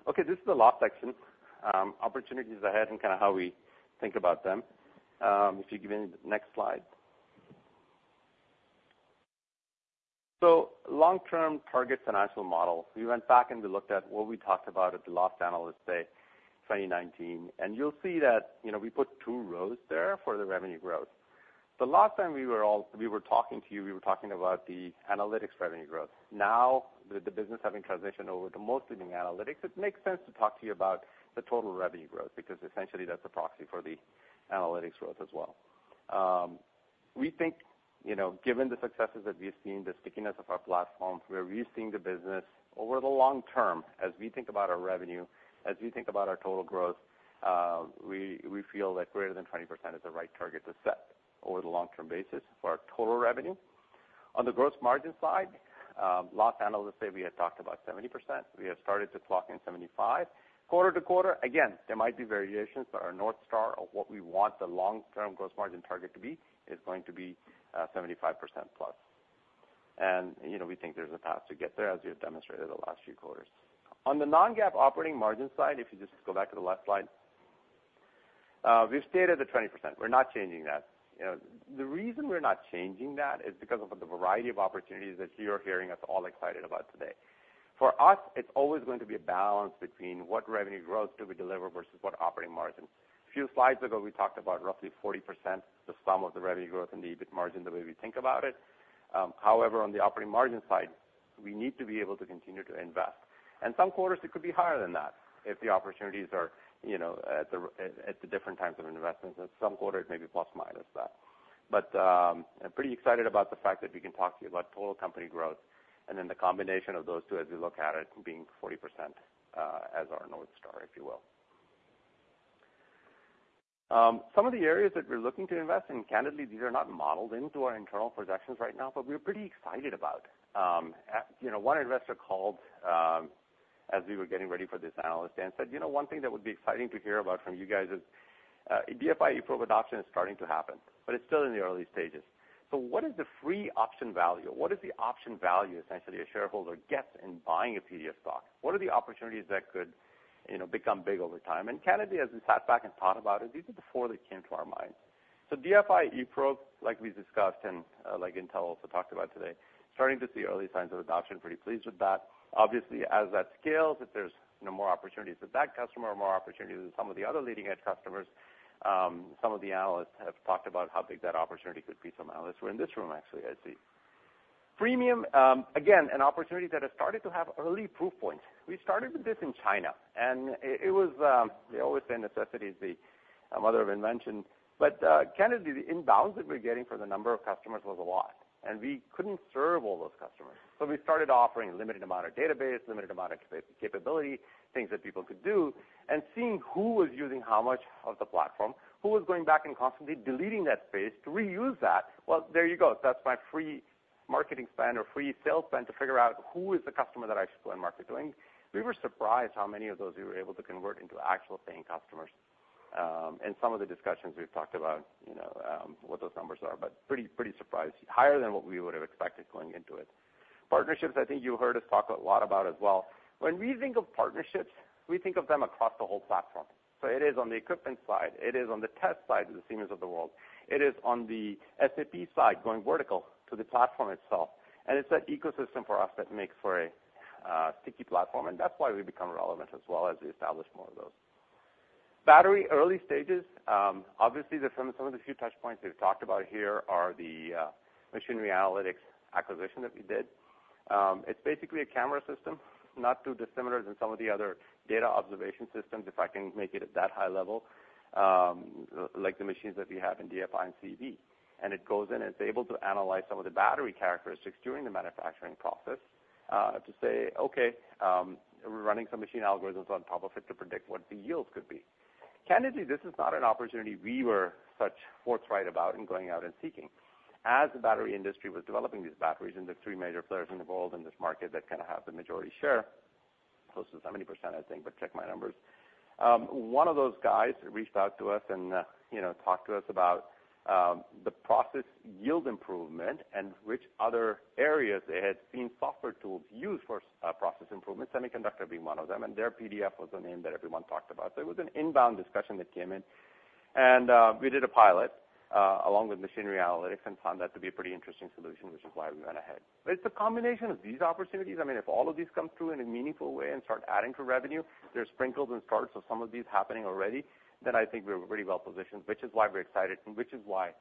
Okay, this is the last section, opportunities ahead and kind of how we think about them. If you give me the next slide. So long-term target financial model, we went back and we looked at what we talked about at the last Analyst Day, 2019, and you'll see that, you know, we put two rows there for the revenue growth. The last time we were talking to you, we were talking about the Analytics revenue growth. Now, with the business having transitioned over to mostly being Analytics, it makes sense to talk to you about the total revenue growth, because essentially that's a proxy for the Analytics growth as well. We think, you know, given the successes that we've seen, the stickiness of our platforms, we're seeing the business over the long term. As we think about our revenue, as we think about our total growth, we feel like greater than 20% is the right target to set over the long-term basis for our total revenue. On the gross margin side, last Analyst Day, we had talked about 70%. We have started to clock in 75%. Quarter to quarter, again, there might be variations, but our North Star of what we want the long-term gross margin target to be is going to be 75%+. You know, we think there's a path to get there, as we have demonstrated the last few quarters. On the Non-GAAP operating margin side, if you just go back to the last slide, we've stated the 20%. We're not changing that. You know, the reason we're not changing that is because of the variety of opportunities that you're hearing us all excited about today. For us, it's always going to be a balance between what revenue growth do we deliver versus what operating margin. A few slides ago, we talked about roughly 40%, the sum of the revenue growth and the EBIT margin, the way we think about it. However, on the operating margin side, we need to be able to continue to invest. Some quarters, it could be higher than that if the opportunities are, you know, at the different times of investments, and some quarters may be plus or minus that. But, I'm pretty excited about the fact that we can talk to you about total company growth, and then the combination of those two as we look at it, being 40%, as our North Star, if you will. Some of the areas that we're looking to invest, and candidly, these are not modeled into our internal projections right now, but we're pretty excited about. You know, one investor called, as we were getting ready for this analyst day and said: "You know, one thing that would be exciting to hear about from you guys is, uh, DFI Pro adoption is starting to happen, but it's still in the early stages. So what is the free option value? What is the option value, essentially, a shareholder gets in buying a PDF stock? What are the opportunities that could, you know, become big over time?" And candidly, as we sat back and thought about it, these are the four that came to our mind.... So DFI eProbe, like we discussed and, like Intel also talked about today, starting to see early signs of adoption. Pretty pleased with that. Obviously, as that scales, if there's, you know, more opportunities with that customer or more opportunities with some of the other leading-edge customers, some of the analysts have talked about how big that opportunity could be. Some analysts were in this room, actually, I see. Premium, again, an opportunity that has started to have early proof points. We started with this in China, and it was, they always say, necessity is the mother of invention. But, candidly, the inbounds that we're getting for the number of customers was a lot, and we couldn't serve all those customers. So we started offering a limited amount of database, limited amount of capability, things that people could do, and seeing who was using how much of the platform, who was going back and constantly deleting that space to reuse that. Well, there you go. That's my free marketing plan or free sales plan to figure out who is the customer that I should go and market to them. We were surprised how many of those we were able to convert into actual paying customers. In some of the discussions we've talked about, you know, what those numbers are, but pretty, pretty surprised, higher than what we would have expected going into it. Partnerships, I think you heard us talk a lot about as well. When we think of partnerships, we think of them across the whole platform. So it is on the equipment side, it is on the test side of the Siemens of the world, it is on the SAP side, going vertical to the platform itself. And it's that ecosystem for us that makes for a sticky platform, and that's why we become relevant as well as we establish more of those. Battery, early stages. Obviously, some of the few touch points we've talked about here are the machinery Analytics acquisition that we did. It's basically a camera system, not too dissimilar than some of the other data observation systems, if I can make it at that high level, like the machines that we have in DFI and CE. It goes in, and it's able to analyze some of the battery characteristics during the manufacturing process, to say, "Okay, we're running some machine algorithms on top of it to predict what the yields could be." Candidly, this is not an opportunity we were such forthright about in going out and seeking. As the battery industry was developing these batteries, and the three major players in the world in this market that kind of have the majority share, close to 70%, I think, but check my numbers. One of those guys reached out to us and, you know, talked to us about the process yield improvement and which other areas they had seen software tools used for, process improvement, semiconductor being one of them, and their PDF was a name that everyone talked about. So it was an inbound discussion that came in, and we did a pilot, along with Lantern Machinery Analytics and found that to be a pretty interesting solution, which is why we went ahead. But it's a combination of these opportunities. I mean, if all of these come through in a meaningful way and start adding to revenue, there's sprinkles and starts of some of these happening already, then I think we're pretty well positioned, which is why we're excited, and which is why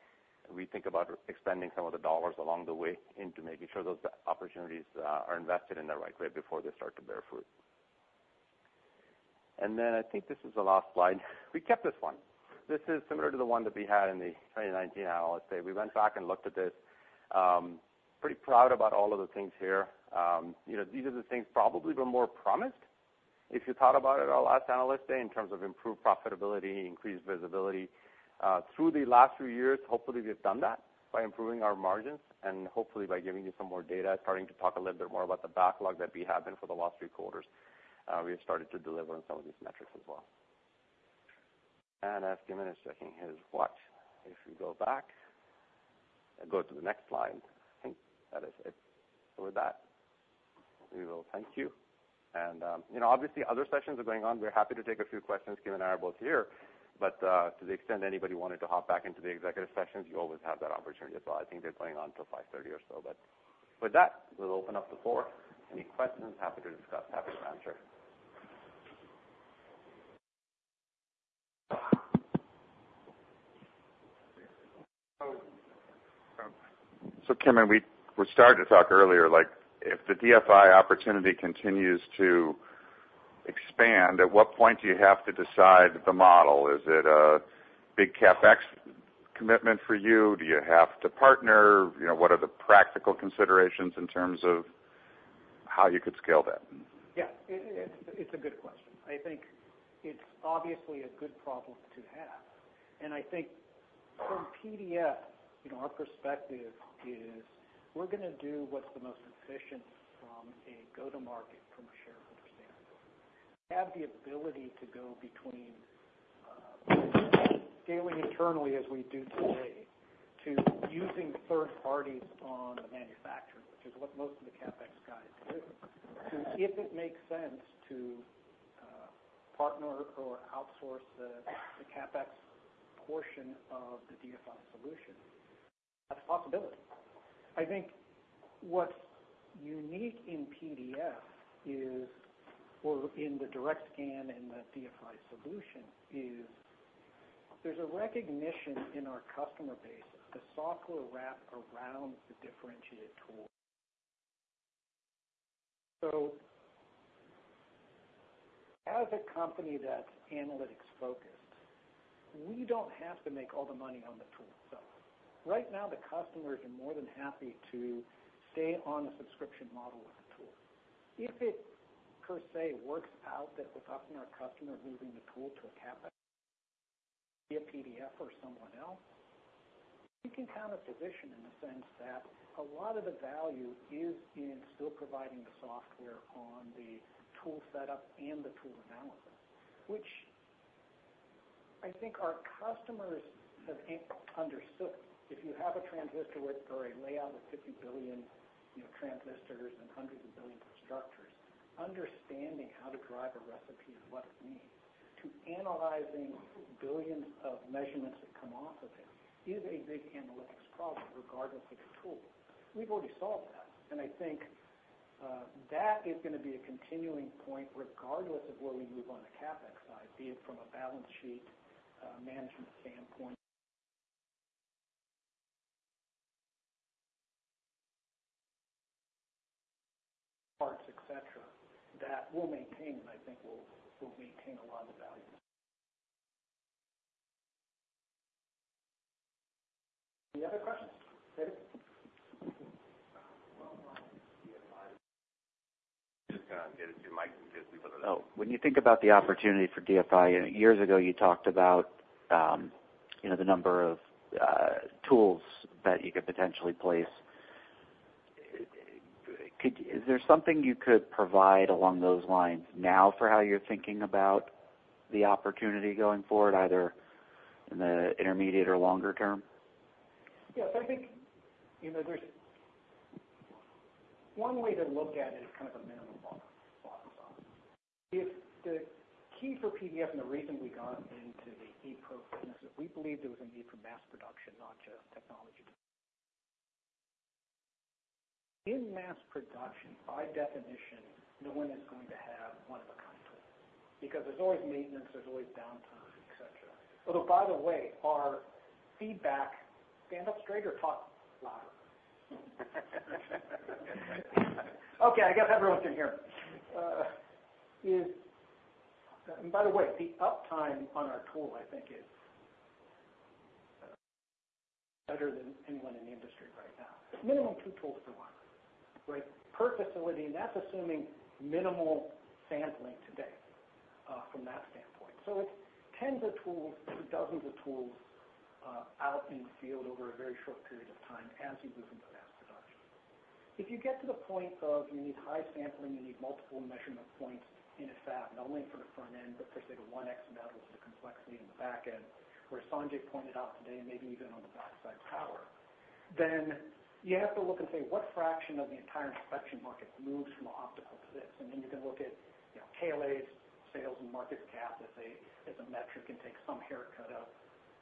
we think about expanding some of the dollars along the way into making sure those opportunities are invested in the right way before they start to bear fruit. And then I think this is the last slide. We kept this one. This is similar to the one that we had in the 2019 Analyst Day. We went back and looked at this. Pretty proud about all of the things here. You know, these are the things probably were more promised, if you thought about it our last Analyst Day, in terms of improved profitability, increased visibility. Through the last few years, hopefully, we have done that by improving our margins and hopefully by giving you some more data, starting to talk a little bit more about the backlog that we have been for the last three quarters. We have started to deliver on some of these metrics as well. As Kim is checking his watch, if we go back and go to the next slide, I think that is it. With that, we will thank you. You know, obviously, other sessions are going on. We're happy to take a few questions. Kim and I are both here, but to the extent anybody wanted to hop back into the executive sessions, you always have that opportunity as well. I think they're going on till 5:30 P.M. or so, but with that, we'll open up the floor. Any questions? Happy to discuss, happy to answer. So, Kim, we started to talk earlier, like if the DFI opportunity continues to expand, at what point do you have to decide the model? Is it a big CapEx commitment for you? Do you have to partner? You know, what are the practical considerations in terms of how you could scale that? Yeah, it's a good question. I think it's obviously a good problem to have. And I think from PDF, you know, our perspective is we're gonna do what's the most efficient from a go-to-market, from a shareholder standpoint. Have the ability to go between scaling internally as we do today, to using third parties on the manufacturing, which is what most of the CapEx guys do. So if it makes sense to partner or outsource the CapEx portion of the DFI solution, that's a possibility. I think what's unique in PDF is, or in the DirectScan and the DFI solution, is there's a recognition in our customer base, the software wrap around the differentiated tool. So as a company that's Analytics-focused, we don't have to make all the money on the tool. So right now, the customers are more than happy to stay on the subscription model of the tool. If it per se works out that we're talking to our customers, moving the tool to a CapEx via PDF or someone else, we can kind of position in the sense that a lot of the value is in still providing the software on the tool setup and the tool analysis, which I think our customers have understood. ... If you have a transistor with or a layout of 50 billion, you know, transistors and hundreds of billions of structures, understanding how to drive a recipe and what it means to analyzing billions of measurements that come off of it is a big Analytics problem, regardless of the tool. We've already solved that, and I think, that is going to be a continuing point regardless of where we move on the CapEx side, be it from a balance sheet, management standpoint. Parts, etc., that will maintain, I think will, will maintain a lot of the value. Any other questions? David. Well, just gonna get it to Mike, because we wouldn't know. When you think about the opportunity for DFI, years ago, you talked about, you know, the number of tools that you could potentially place. Is there something you could provide along those lines now for how you're thinking about the opportunity going forward, either in the intermediate or longer term? Yes, I think, you know, there's one way to look at it is kind of a minimum bottom, bottom line. If the key for PDF and the reason we got into the eProbe business, is we believed there was a need for mass production, not just technology. In mass production, by definition, no one is going to have one of a kind, because there's always maintenance, there's always downtime, etc.. Although, by the way, our feedback... Stand up straight or talk louder? Okay, I guess everyone can hear. Is, and by the way, the uptime on our tool, I think, is better than anyone in the industry right now. It's minimum two tools to one, right? Per facility, and that's assuming minimal sampling today, from that standpoint. So it's tens of tools to dozens of tools out in the field over a very short period of time as you move into mass production. If you get to the point of you need high sampling, you need multiple measurement points in a fab, not only for the front end, but for, say, the 1X metals, the complexity in the back end, where Sanjay pointed out today, maybe even on the backside power, then you have to look and say, what fraction of the entire inspection market moves from optical to this? And then you can look at, you know, KLA's sales and market cap as a, as a metric, and take some haircut of,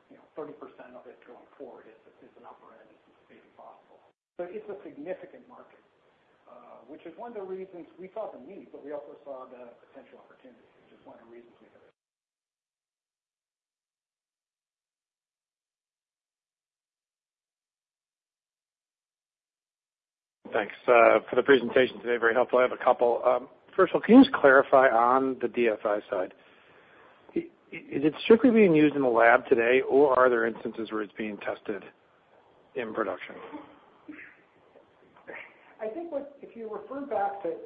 you know, 30% of it going forward is, is an upper end, maybe possible. So it's a significant market, which is one of the reasons we saw the need, but we also saw the potential opportunity, which is one of the reasons we have it. Thanks, for the presentation today. Very helpful. I have a couple. First of all, can you just clarify on the DFI side, is it strictly being used in the lab today, or are there instances where it's being tested in production? I think what, if you refer back to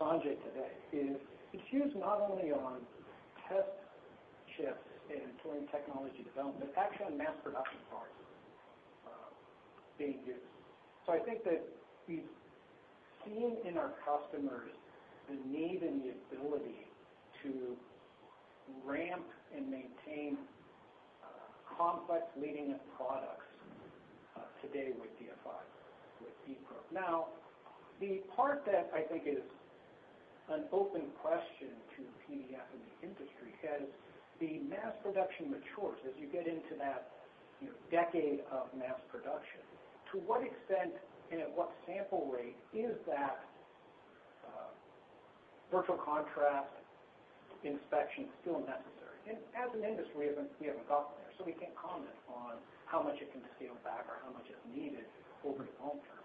Sanjay today, is it's used not only on test chips and tool and technology development, but actually on mass production parts being used. So I think that we've seen in our customers the need and the ability to ramp and maintain complex leading-edge products today with DFI, with eProbe. Now, the part that I think is an open question to PDF in the industry, as the mass production matures, as you get into that, you know, decade of mass production, to what extent and at what sample rate is that virtual contrast inspection still necessary? And as an industry, we haven't gotten there, so we can't comment on how much it can scale back or how much is needed over the long term.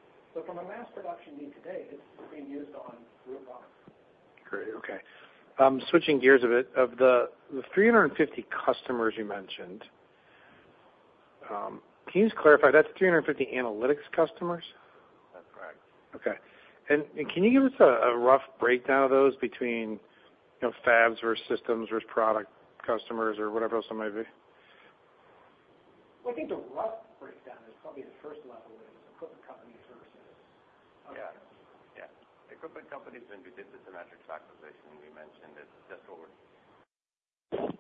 From a mass production need today, it's being used on real products. Great. Okay. Switching gears a bit. Of the 350 customers you mentioned, can you just clarify, that's 350 Analytics customers? That's right. Okay. And can you give us a rough breakdown of those between, you know, fabs versus systems versus product customers or whatever else it might be? I think the rough breakdown is probably the first level is equipment companies versus- Yeah, yeah. Equipment companies, when we did the Cimetrix acquisition, we mentioned it. Just go over it.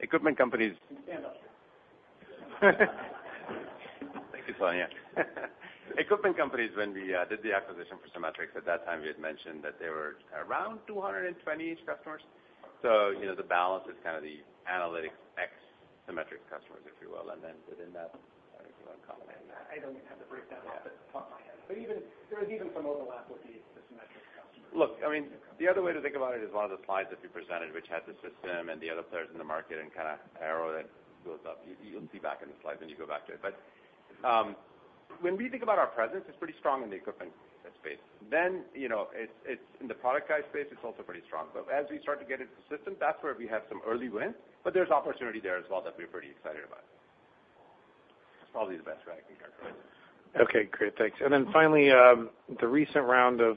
Equipment companies- Stand up. Thank you, Sonya. Equipment companies, when we did the acquisition for Cimetrix, at that time, we had mentioned that there were around 220 customers. So, you know, the balance is kind of the Analytics X Cimetrix customers, if you will, and then within that, I don't know if you want to comment on that. I don't even have the breakdown off the top of my head, but even, there is even some overlap with the Cimetrix customers. Look, I mean, the other way to think about it is one of the slides that we presented, which had the system and the other players in the market and kind of arrow that goes up. You, you'll see back in the slides when you go back to it. But, when we think about our presence, it's pretty strong in the equipment space. Then, you know, it's in the product guy space, it's also pretty strong. But as we start to get into the system, that's where we have some early wins, but there's opportunity there as well that we're pretty excited about. It's probably the best way I can characterize it. Okay, great. Thanks. And then finally, the recent round of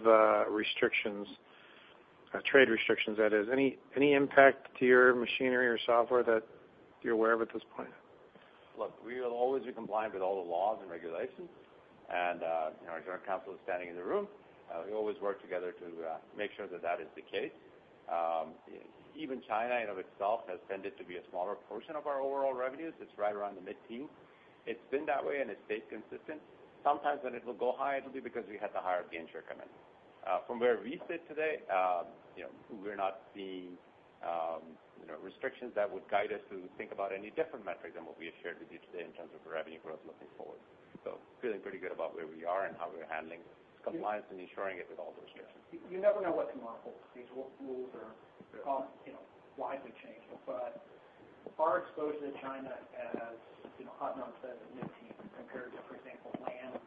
trade restrictions, that is, any impact to your machinery or software that you're aware of at this point? Look, we will always be compliant with all the laws and regulations. You know, our General Counsel is standing in the room. We always work together to make sure that that is the case. Even China in and of itself has tended to be a smaller portion of our overall revenues. It's right around the mid-teens. It's been that way, and it's stayed consistent. Sometimes when it will go higher, it'll be because we had the higher volume come in. From where we sit today, you know, we're not seeing, you know, restrictions that would guide us to think about any different metrics than what we had shared with you today in terms of revenue growth looking forward. So feeling pretty good about where we are and how we're handling compliance and ensuring it with all those shareholders. You never know what tomorrow holds. These rules are, you know, widely changing. But our exposure to China, as you know, Adnan said, is mid-teens, compared to, for example, Lam,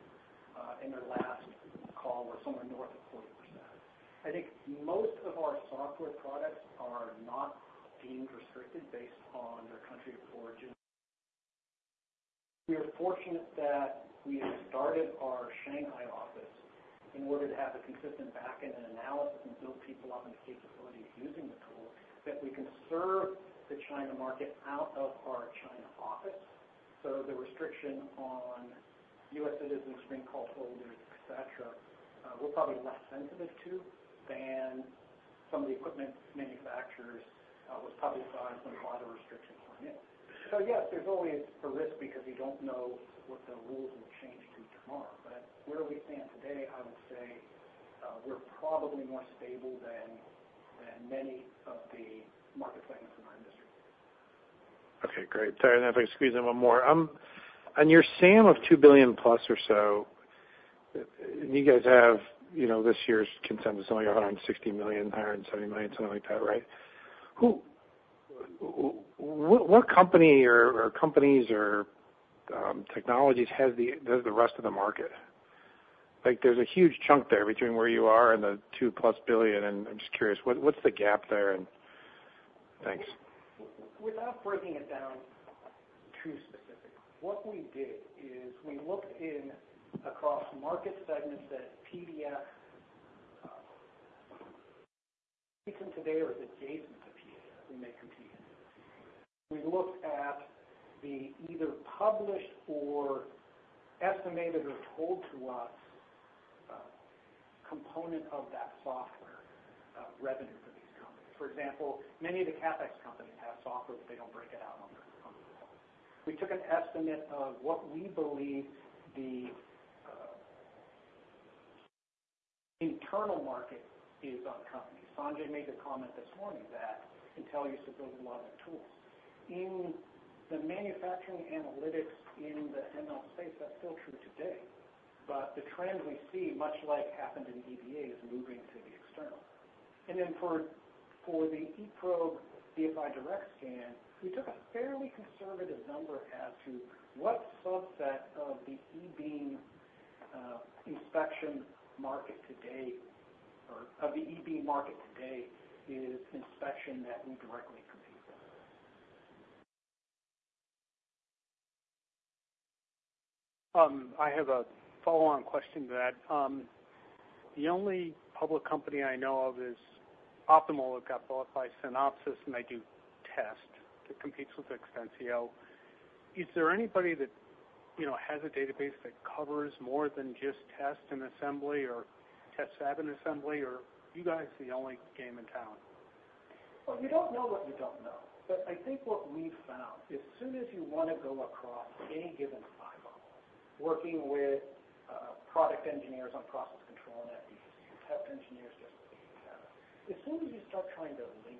in their last call, was somewhere north of 40%. I think most of our software products are not being restricted based on their country of origin. We are fortunate that we started our Shanghai office in order to have a consistent back end and analysis, and build people up in the capabilities of using the tool, that we can serve the China market out of our China office. So the restriction on U.S. citizens being called holders, etc., we're probably less sensitive to than some of the equipment manufacturers, was publicized when a lot of restrictions went in. So yes, there's always a risk because you don't know what the rules will change to tomorrow. But where we stand today, I would say, we're probably more stable than many of the market segments in our industry. Okay, great. Sorry, and if I can squeeze in one more. On your SAM of $2 billion plus or so, you guys have, you know, this year's consensus is only $160 million-$170 million, something like that, right? Who, what company or companies or technologies has the rest of the market? Like, there's a huge chunk there between where you are and the $2-plus billion, and I'm just curious, what's the gap there, and... Thanks. Without breaking it down too specifically, what we did is we looked across market segments that PDF, recently or today or adjacent to PDF, we may compete. We looked at either the published or estimated or told to us component of that software revenue for these companies. For example, many of the CapEx companies have software, but they don't break it out on their call. We took an estimate of what we believe the internal market is on companies. Sanjay made the comment this morning that Intel uses those a lot of their tools. In the manufacturing Analytics in the ML space, that's still true today, but the trend we see, much like happened in EDA, is moving to the external. Then for the eProbe DFI DirectScan, we took a fairly conservative number as to what subset of the e-beam inspection market today, or of the e-beam market today, is inspection that we directly compete with. I have a follow-on question to that. The only public company I know of is Optimal+, that got bought by Synopsys, and they do test that competes with Exensio. Is there anybody that, you know, has a database that covers more than just test and assembly, or test, fab, and assembly, or are you guys the only game in town? Well, you don't know what you don't know. But I think what we've found, as soon as you want to go across any given silo, working with product engineers on process control and FDC, test Engineers, etc. As soon as you start trying to link,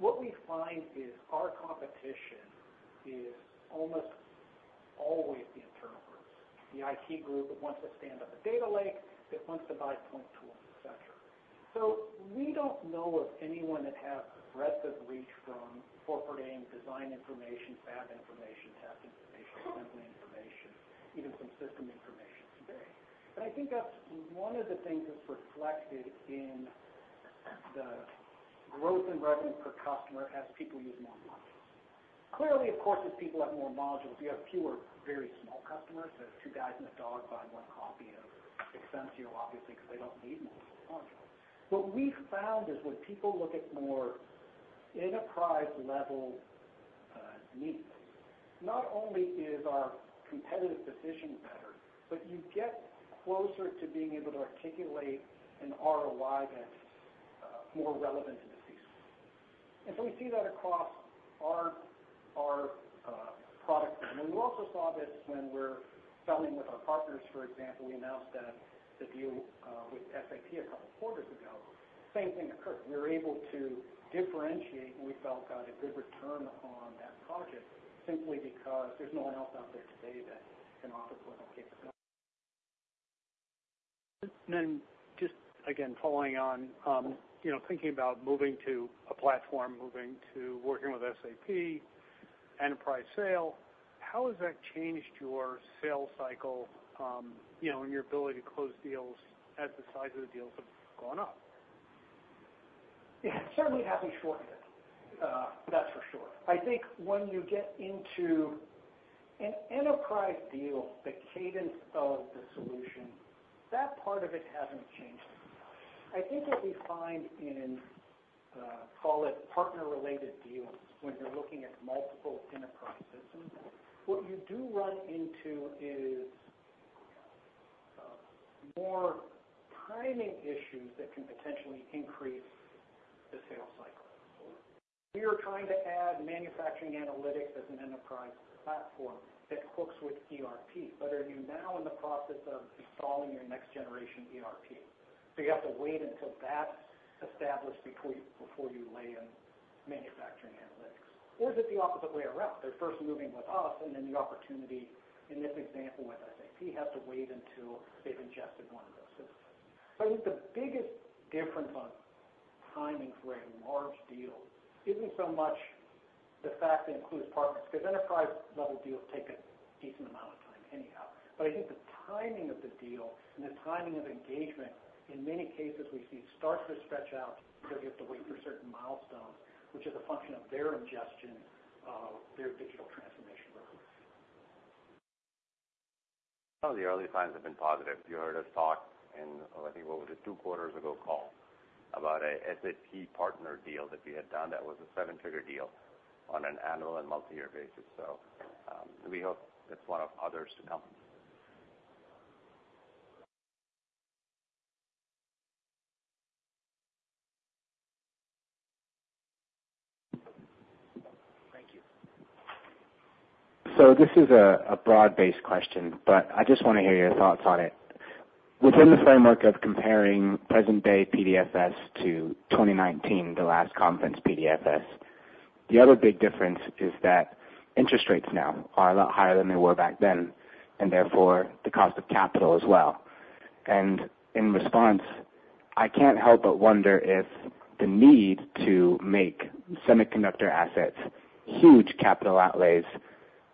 what we find is our competition is almost always the internal groups. The IT group that wants to stand up a data lake, that wants to buy point tools, etc. So we don't know of anyone that has the breadth of reach from corporate AM, design information, fab information, test information, assembly information, even some system information today. But I think that's one of the things that's reflected in the growth in revenue per customer as people use more modules. Clearly, of course, as people have more modules, we have fewer, very small customers. There's two guys and a dog buying one copy of Exensio, obviously, because they don't need multiple modules. What we found is when people look at more enterprise-level needs, not only is our competitive position better, but you get closer to being able to articulate an ROI that's more relevant to the piece. And so we see that across our product line. And we also saw this when we're selling with our partners. For example, we announced that the deal with SAP a couple of quarters ago, same thing occurred. We were able to differentiate, and we felt got a good return on that project, simply because there's no one else out there today that can offer what we can do. Then just, again, following on, you know, thinking about moving to a platform, moving to working with SAP, enterprise sale, how has that changed your sales cycle, you know, and your ability to close deals as the size of the deals have gone up? Yeah, certainly having shorthand, that's for sure. I think when you get into an enterprise deal, the cadence of the solution, that part of it hasn't changed.... I think what we find in, call it partner-related deals, when you're looking at multiple enterprise systems, what you do run into is, more timing issues that can potentially increase the sales cycle. We are trying to add manufacturing Analytics as an enterprise platform that hooks with ERP, but are you now in the process of installing your next generation ERP? So you have to wait until that's established before you lay in manufacturing Analytics. Or is it the opposite way around? They're first moving with us, and then the opportunity, in this example with SAP, has to wait until they've ingested one of those systems. I think the biggest difference on timing for a large deal isn't so much the fact that it includes partners, because enterprise-level deals take a decent amount of time anyhow. But I think the timing of the deal and the timing of engagement, in many cases, we see start to stretch out because you have to wait for certain milestones, which is a function of their ingestion of their digital transformation roadmaps. Some of the early signs have been positive. You heard us talk in, I think, what was it, two quarters ago call, about a SAP partner deal that we had done that was a seven-figure deal on an annual and multi-year basis. So, we hope it's one of others to come. Thank you. So this is a broad-based question, but I just want to hear your thoughts on it. Within the framework of comparing present day PDFS to 2019, the last conference PDFS, the other big difference is that interest rates now are a lot higher than they were back then, and therefore, the cost of capital as well. And in response, I can't help but wonder if the need to make semiconductor assets, huge capital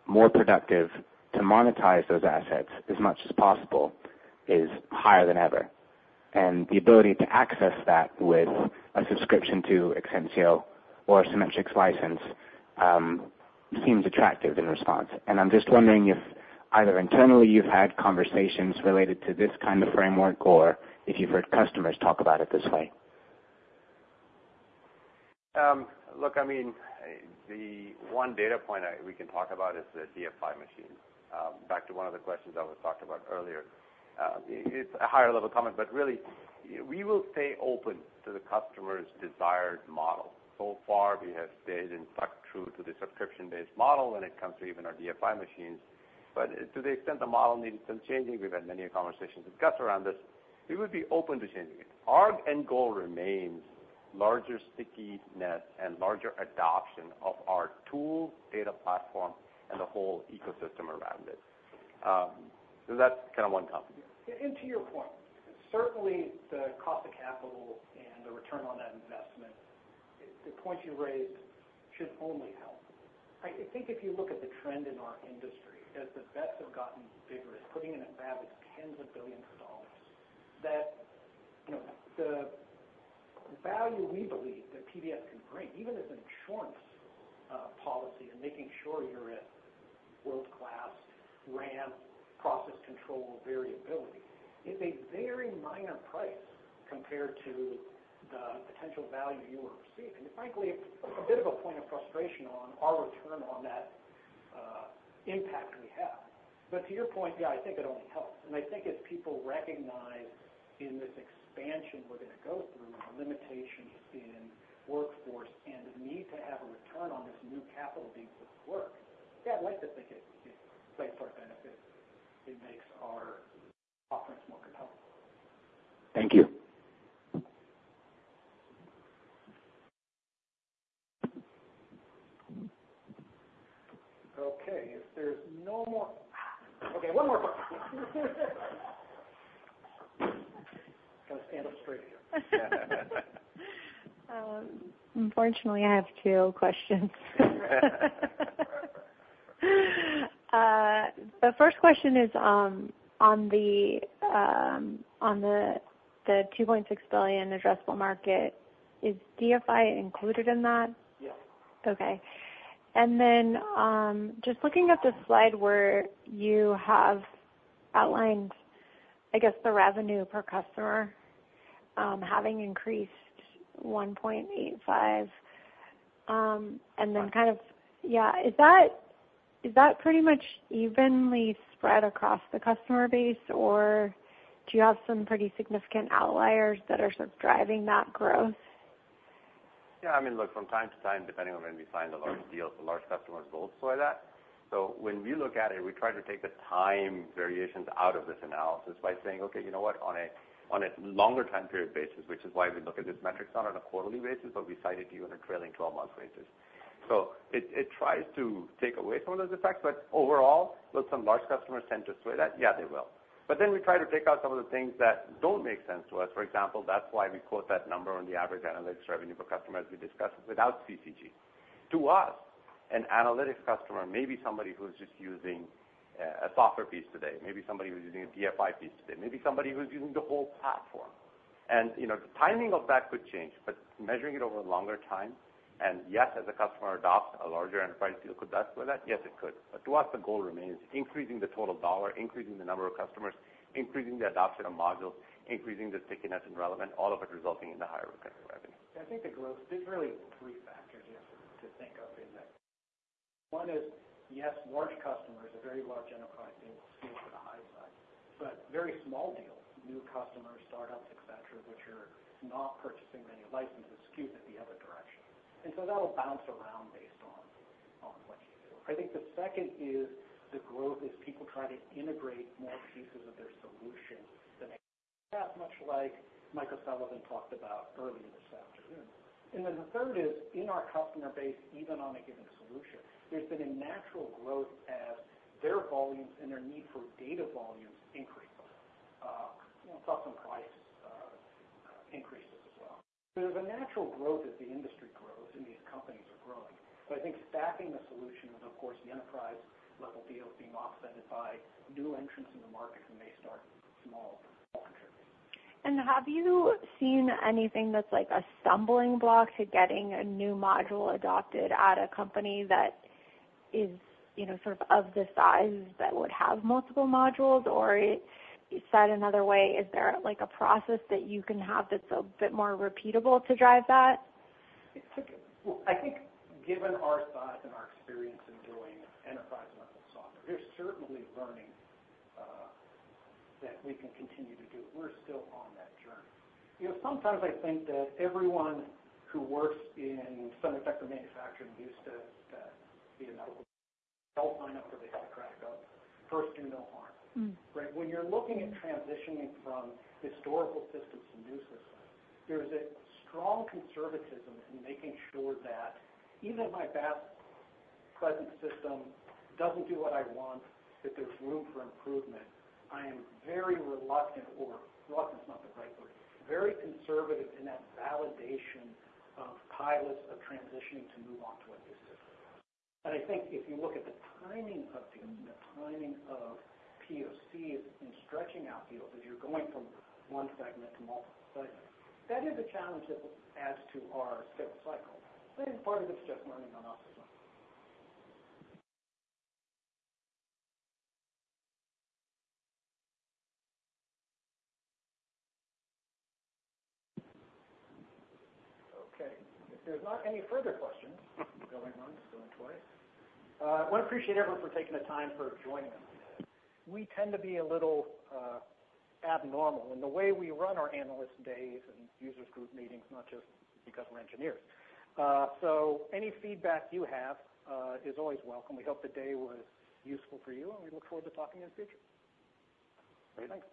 outlays, more productive to monetize those assets as much as possible is higher than ever. And the ability to access that with a subscription to Exensio or a Cimetrix license, seems attractive in response. And I'm just wondering if either internally you've had conversations related to this kind of framework or if you've heard customers talk about it this way. Look, I mean, the one data point we can talk about is the DFI machine. Back to one of the questions that was talked about earlier. It's a higher level comment, but really, we will stay open to the customer's desired model. So far, we have stayed and stuck true to the subscription-based model when it comes to even our DFI machines. But to the extent the model needs some changing, we've had many a conversations with customers around this, we would be open to changing it. Our end goal remains larger stickiness and larger adoption of our tool, data platform, and the whole ecosystem around it. So that's kind of one comment. To your point, certainly the cost of capital and the return on that investment, the point you raised should only help. I think if you look at the trend in our industry, as the bets have gotten bigger, putting in a fab is tens of billions of dollars, that, you know, the value we believe that PDF can bring, even as an insurance policy and making sure you're a world-class ramp process control variability, is a very minor price compared to the potential value you will receive. And frankly, a bit of a point of frustration on our return on that impact we have. But to your point, yeah, I think it only helps. I think as people recognize in this expansion, we're going to go through the limitations in workforce and the need to have a return on this new capital being put to work. Yeah, I'd like to think it plays to our benefit. It makes our offerings more compelling. Thank you. Okay, if there's no more... Okay, one more question. Got to stand up straight. Unfortunately, I have two questions. The first question is on the $2.6 billion addressable market, is DFI included in that? Yes. Okay. And then, just looking at the slide where you have outlined, I guess, the revenue per customer having increased 1.85, and then kind of- Yeah. Yeah, is that, is that pretty much evenly spread across the customer base, or do you have some pretty significant outliers that are sort of driving that growth? Yeah, I mean, look, from time to time, depending on when we sign the large deals, the large customers will sway that. So when we look at it, we try to take the time variations out of this analysis by saying, "Okay, you know what? On a longer time period basis," which is why we look at this metric, not on a quarterly basis, but we cited to you on a trailing-twelve-month basis. So it tries to take away some of those effects, but overall, will some large customers tend to sway that? Yeah, they will. But then we try to take out some of the things that don't make sense to us. For example, that's why we quote that number on the average Analytics revenue per customer, as we discussed, without CCG. To us, an Analytics customer may be somebody who's just using a software piece today, maybe somebody who's using a DFI piece today, maybe somebody who's using the whole platform. You know, the timing of that could change, but measuring it over a longer time, and yes, as a customer adopts, a larger enterprise deal could best with it. Yes, it could. But to us, the goal remains increasing the total dollar, increasing the number of customers, increasing the adoption of modules, increasing the stickiness and relevant, all of it resulting in the higher recovery revenue. I think the growth, there's really three factors. One is, yes, large customers, a very large enterprise deal skew to the high side, but very small deals, new customers, startups, etc., which are not purchasing many licenses, skew to the other direction. And so that'll bounce around based on what you do. I think the second is the growth as people try to integrate more pieces of their solution than they, much like Mike O'Sullivan talked about earlier this afternoon. And then the third is in our customer base, even on a given solution, there's been a natural growth as their volumes and their need for data volumes increase, plus some price increases as well. So there's a natural growth as the industry grows, and these companies are growing. I think scaling the solution is, of course, the enterprise-level deals being offset by new entrants in the market who may start small. Have you seen anything that's like a stumbling block to getting a new module adopted at a company that is, you know, sort of, of the size that would have multiple modules? Or said another way, is there, like, a process that you can have that's a bit more repeatable to drive that? Well, I think given our size and our experience in doing enterprise-level software, there's certainly learning that we can continue to do. We're still on that journey. You know, sometimes I think that everyone who works in some aspect of manufacturing used to be a medical, help line up for the Hippocratic Oath. First, do no harm. Mm. Right? When you're looking at transitioning from historical systems to new systems, there is a strong conservatism in making sure that even if my best present system doesn't do what I want, that there's room for improvement. I am very reluctant or... Reluctance is not the right word, very conservative in that validation of pilots of transitioning to move on to a new system. And I think if you look at the timing of deals and the timing of POCs and stretching out deals, as you're going from one segment to multiple segments, that is a challenge that adds to our sales cycle. But part of it's just learning on us as well. Okay, if there's not any further questions going on, going twice. I want to appreciate everyone for taking the time for joining us. We tend to be a little abnormal in the way we run our analyst days and users group meetings, not just because we're engineers. So any feedback you have is always welcome. We hope the day was useful for you, and we look forward to talking in the future. Great. Thanks.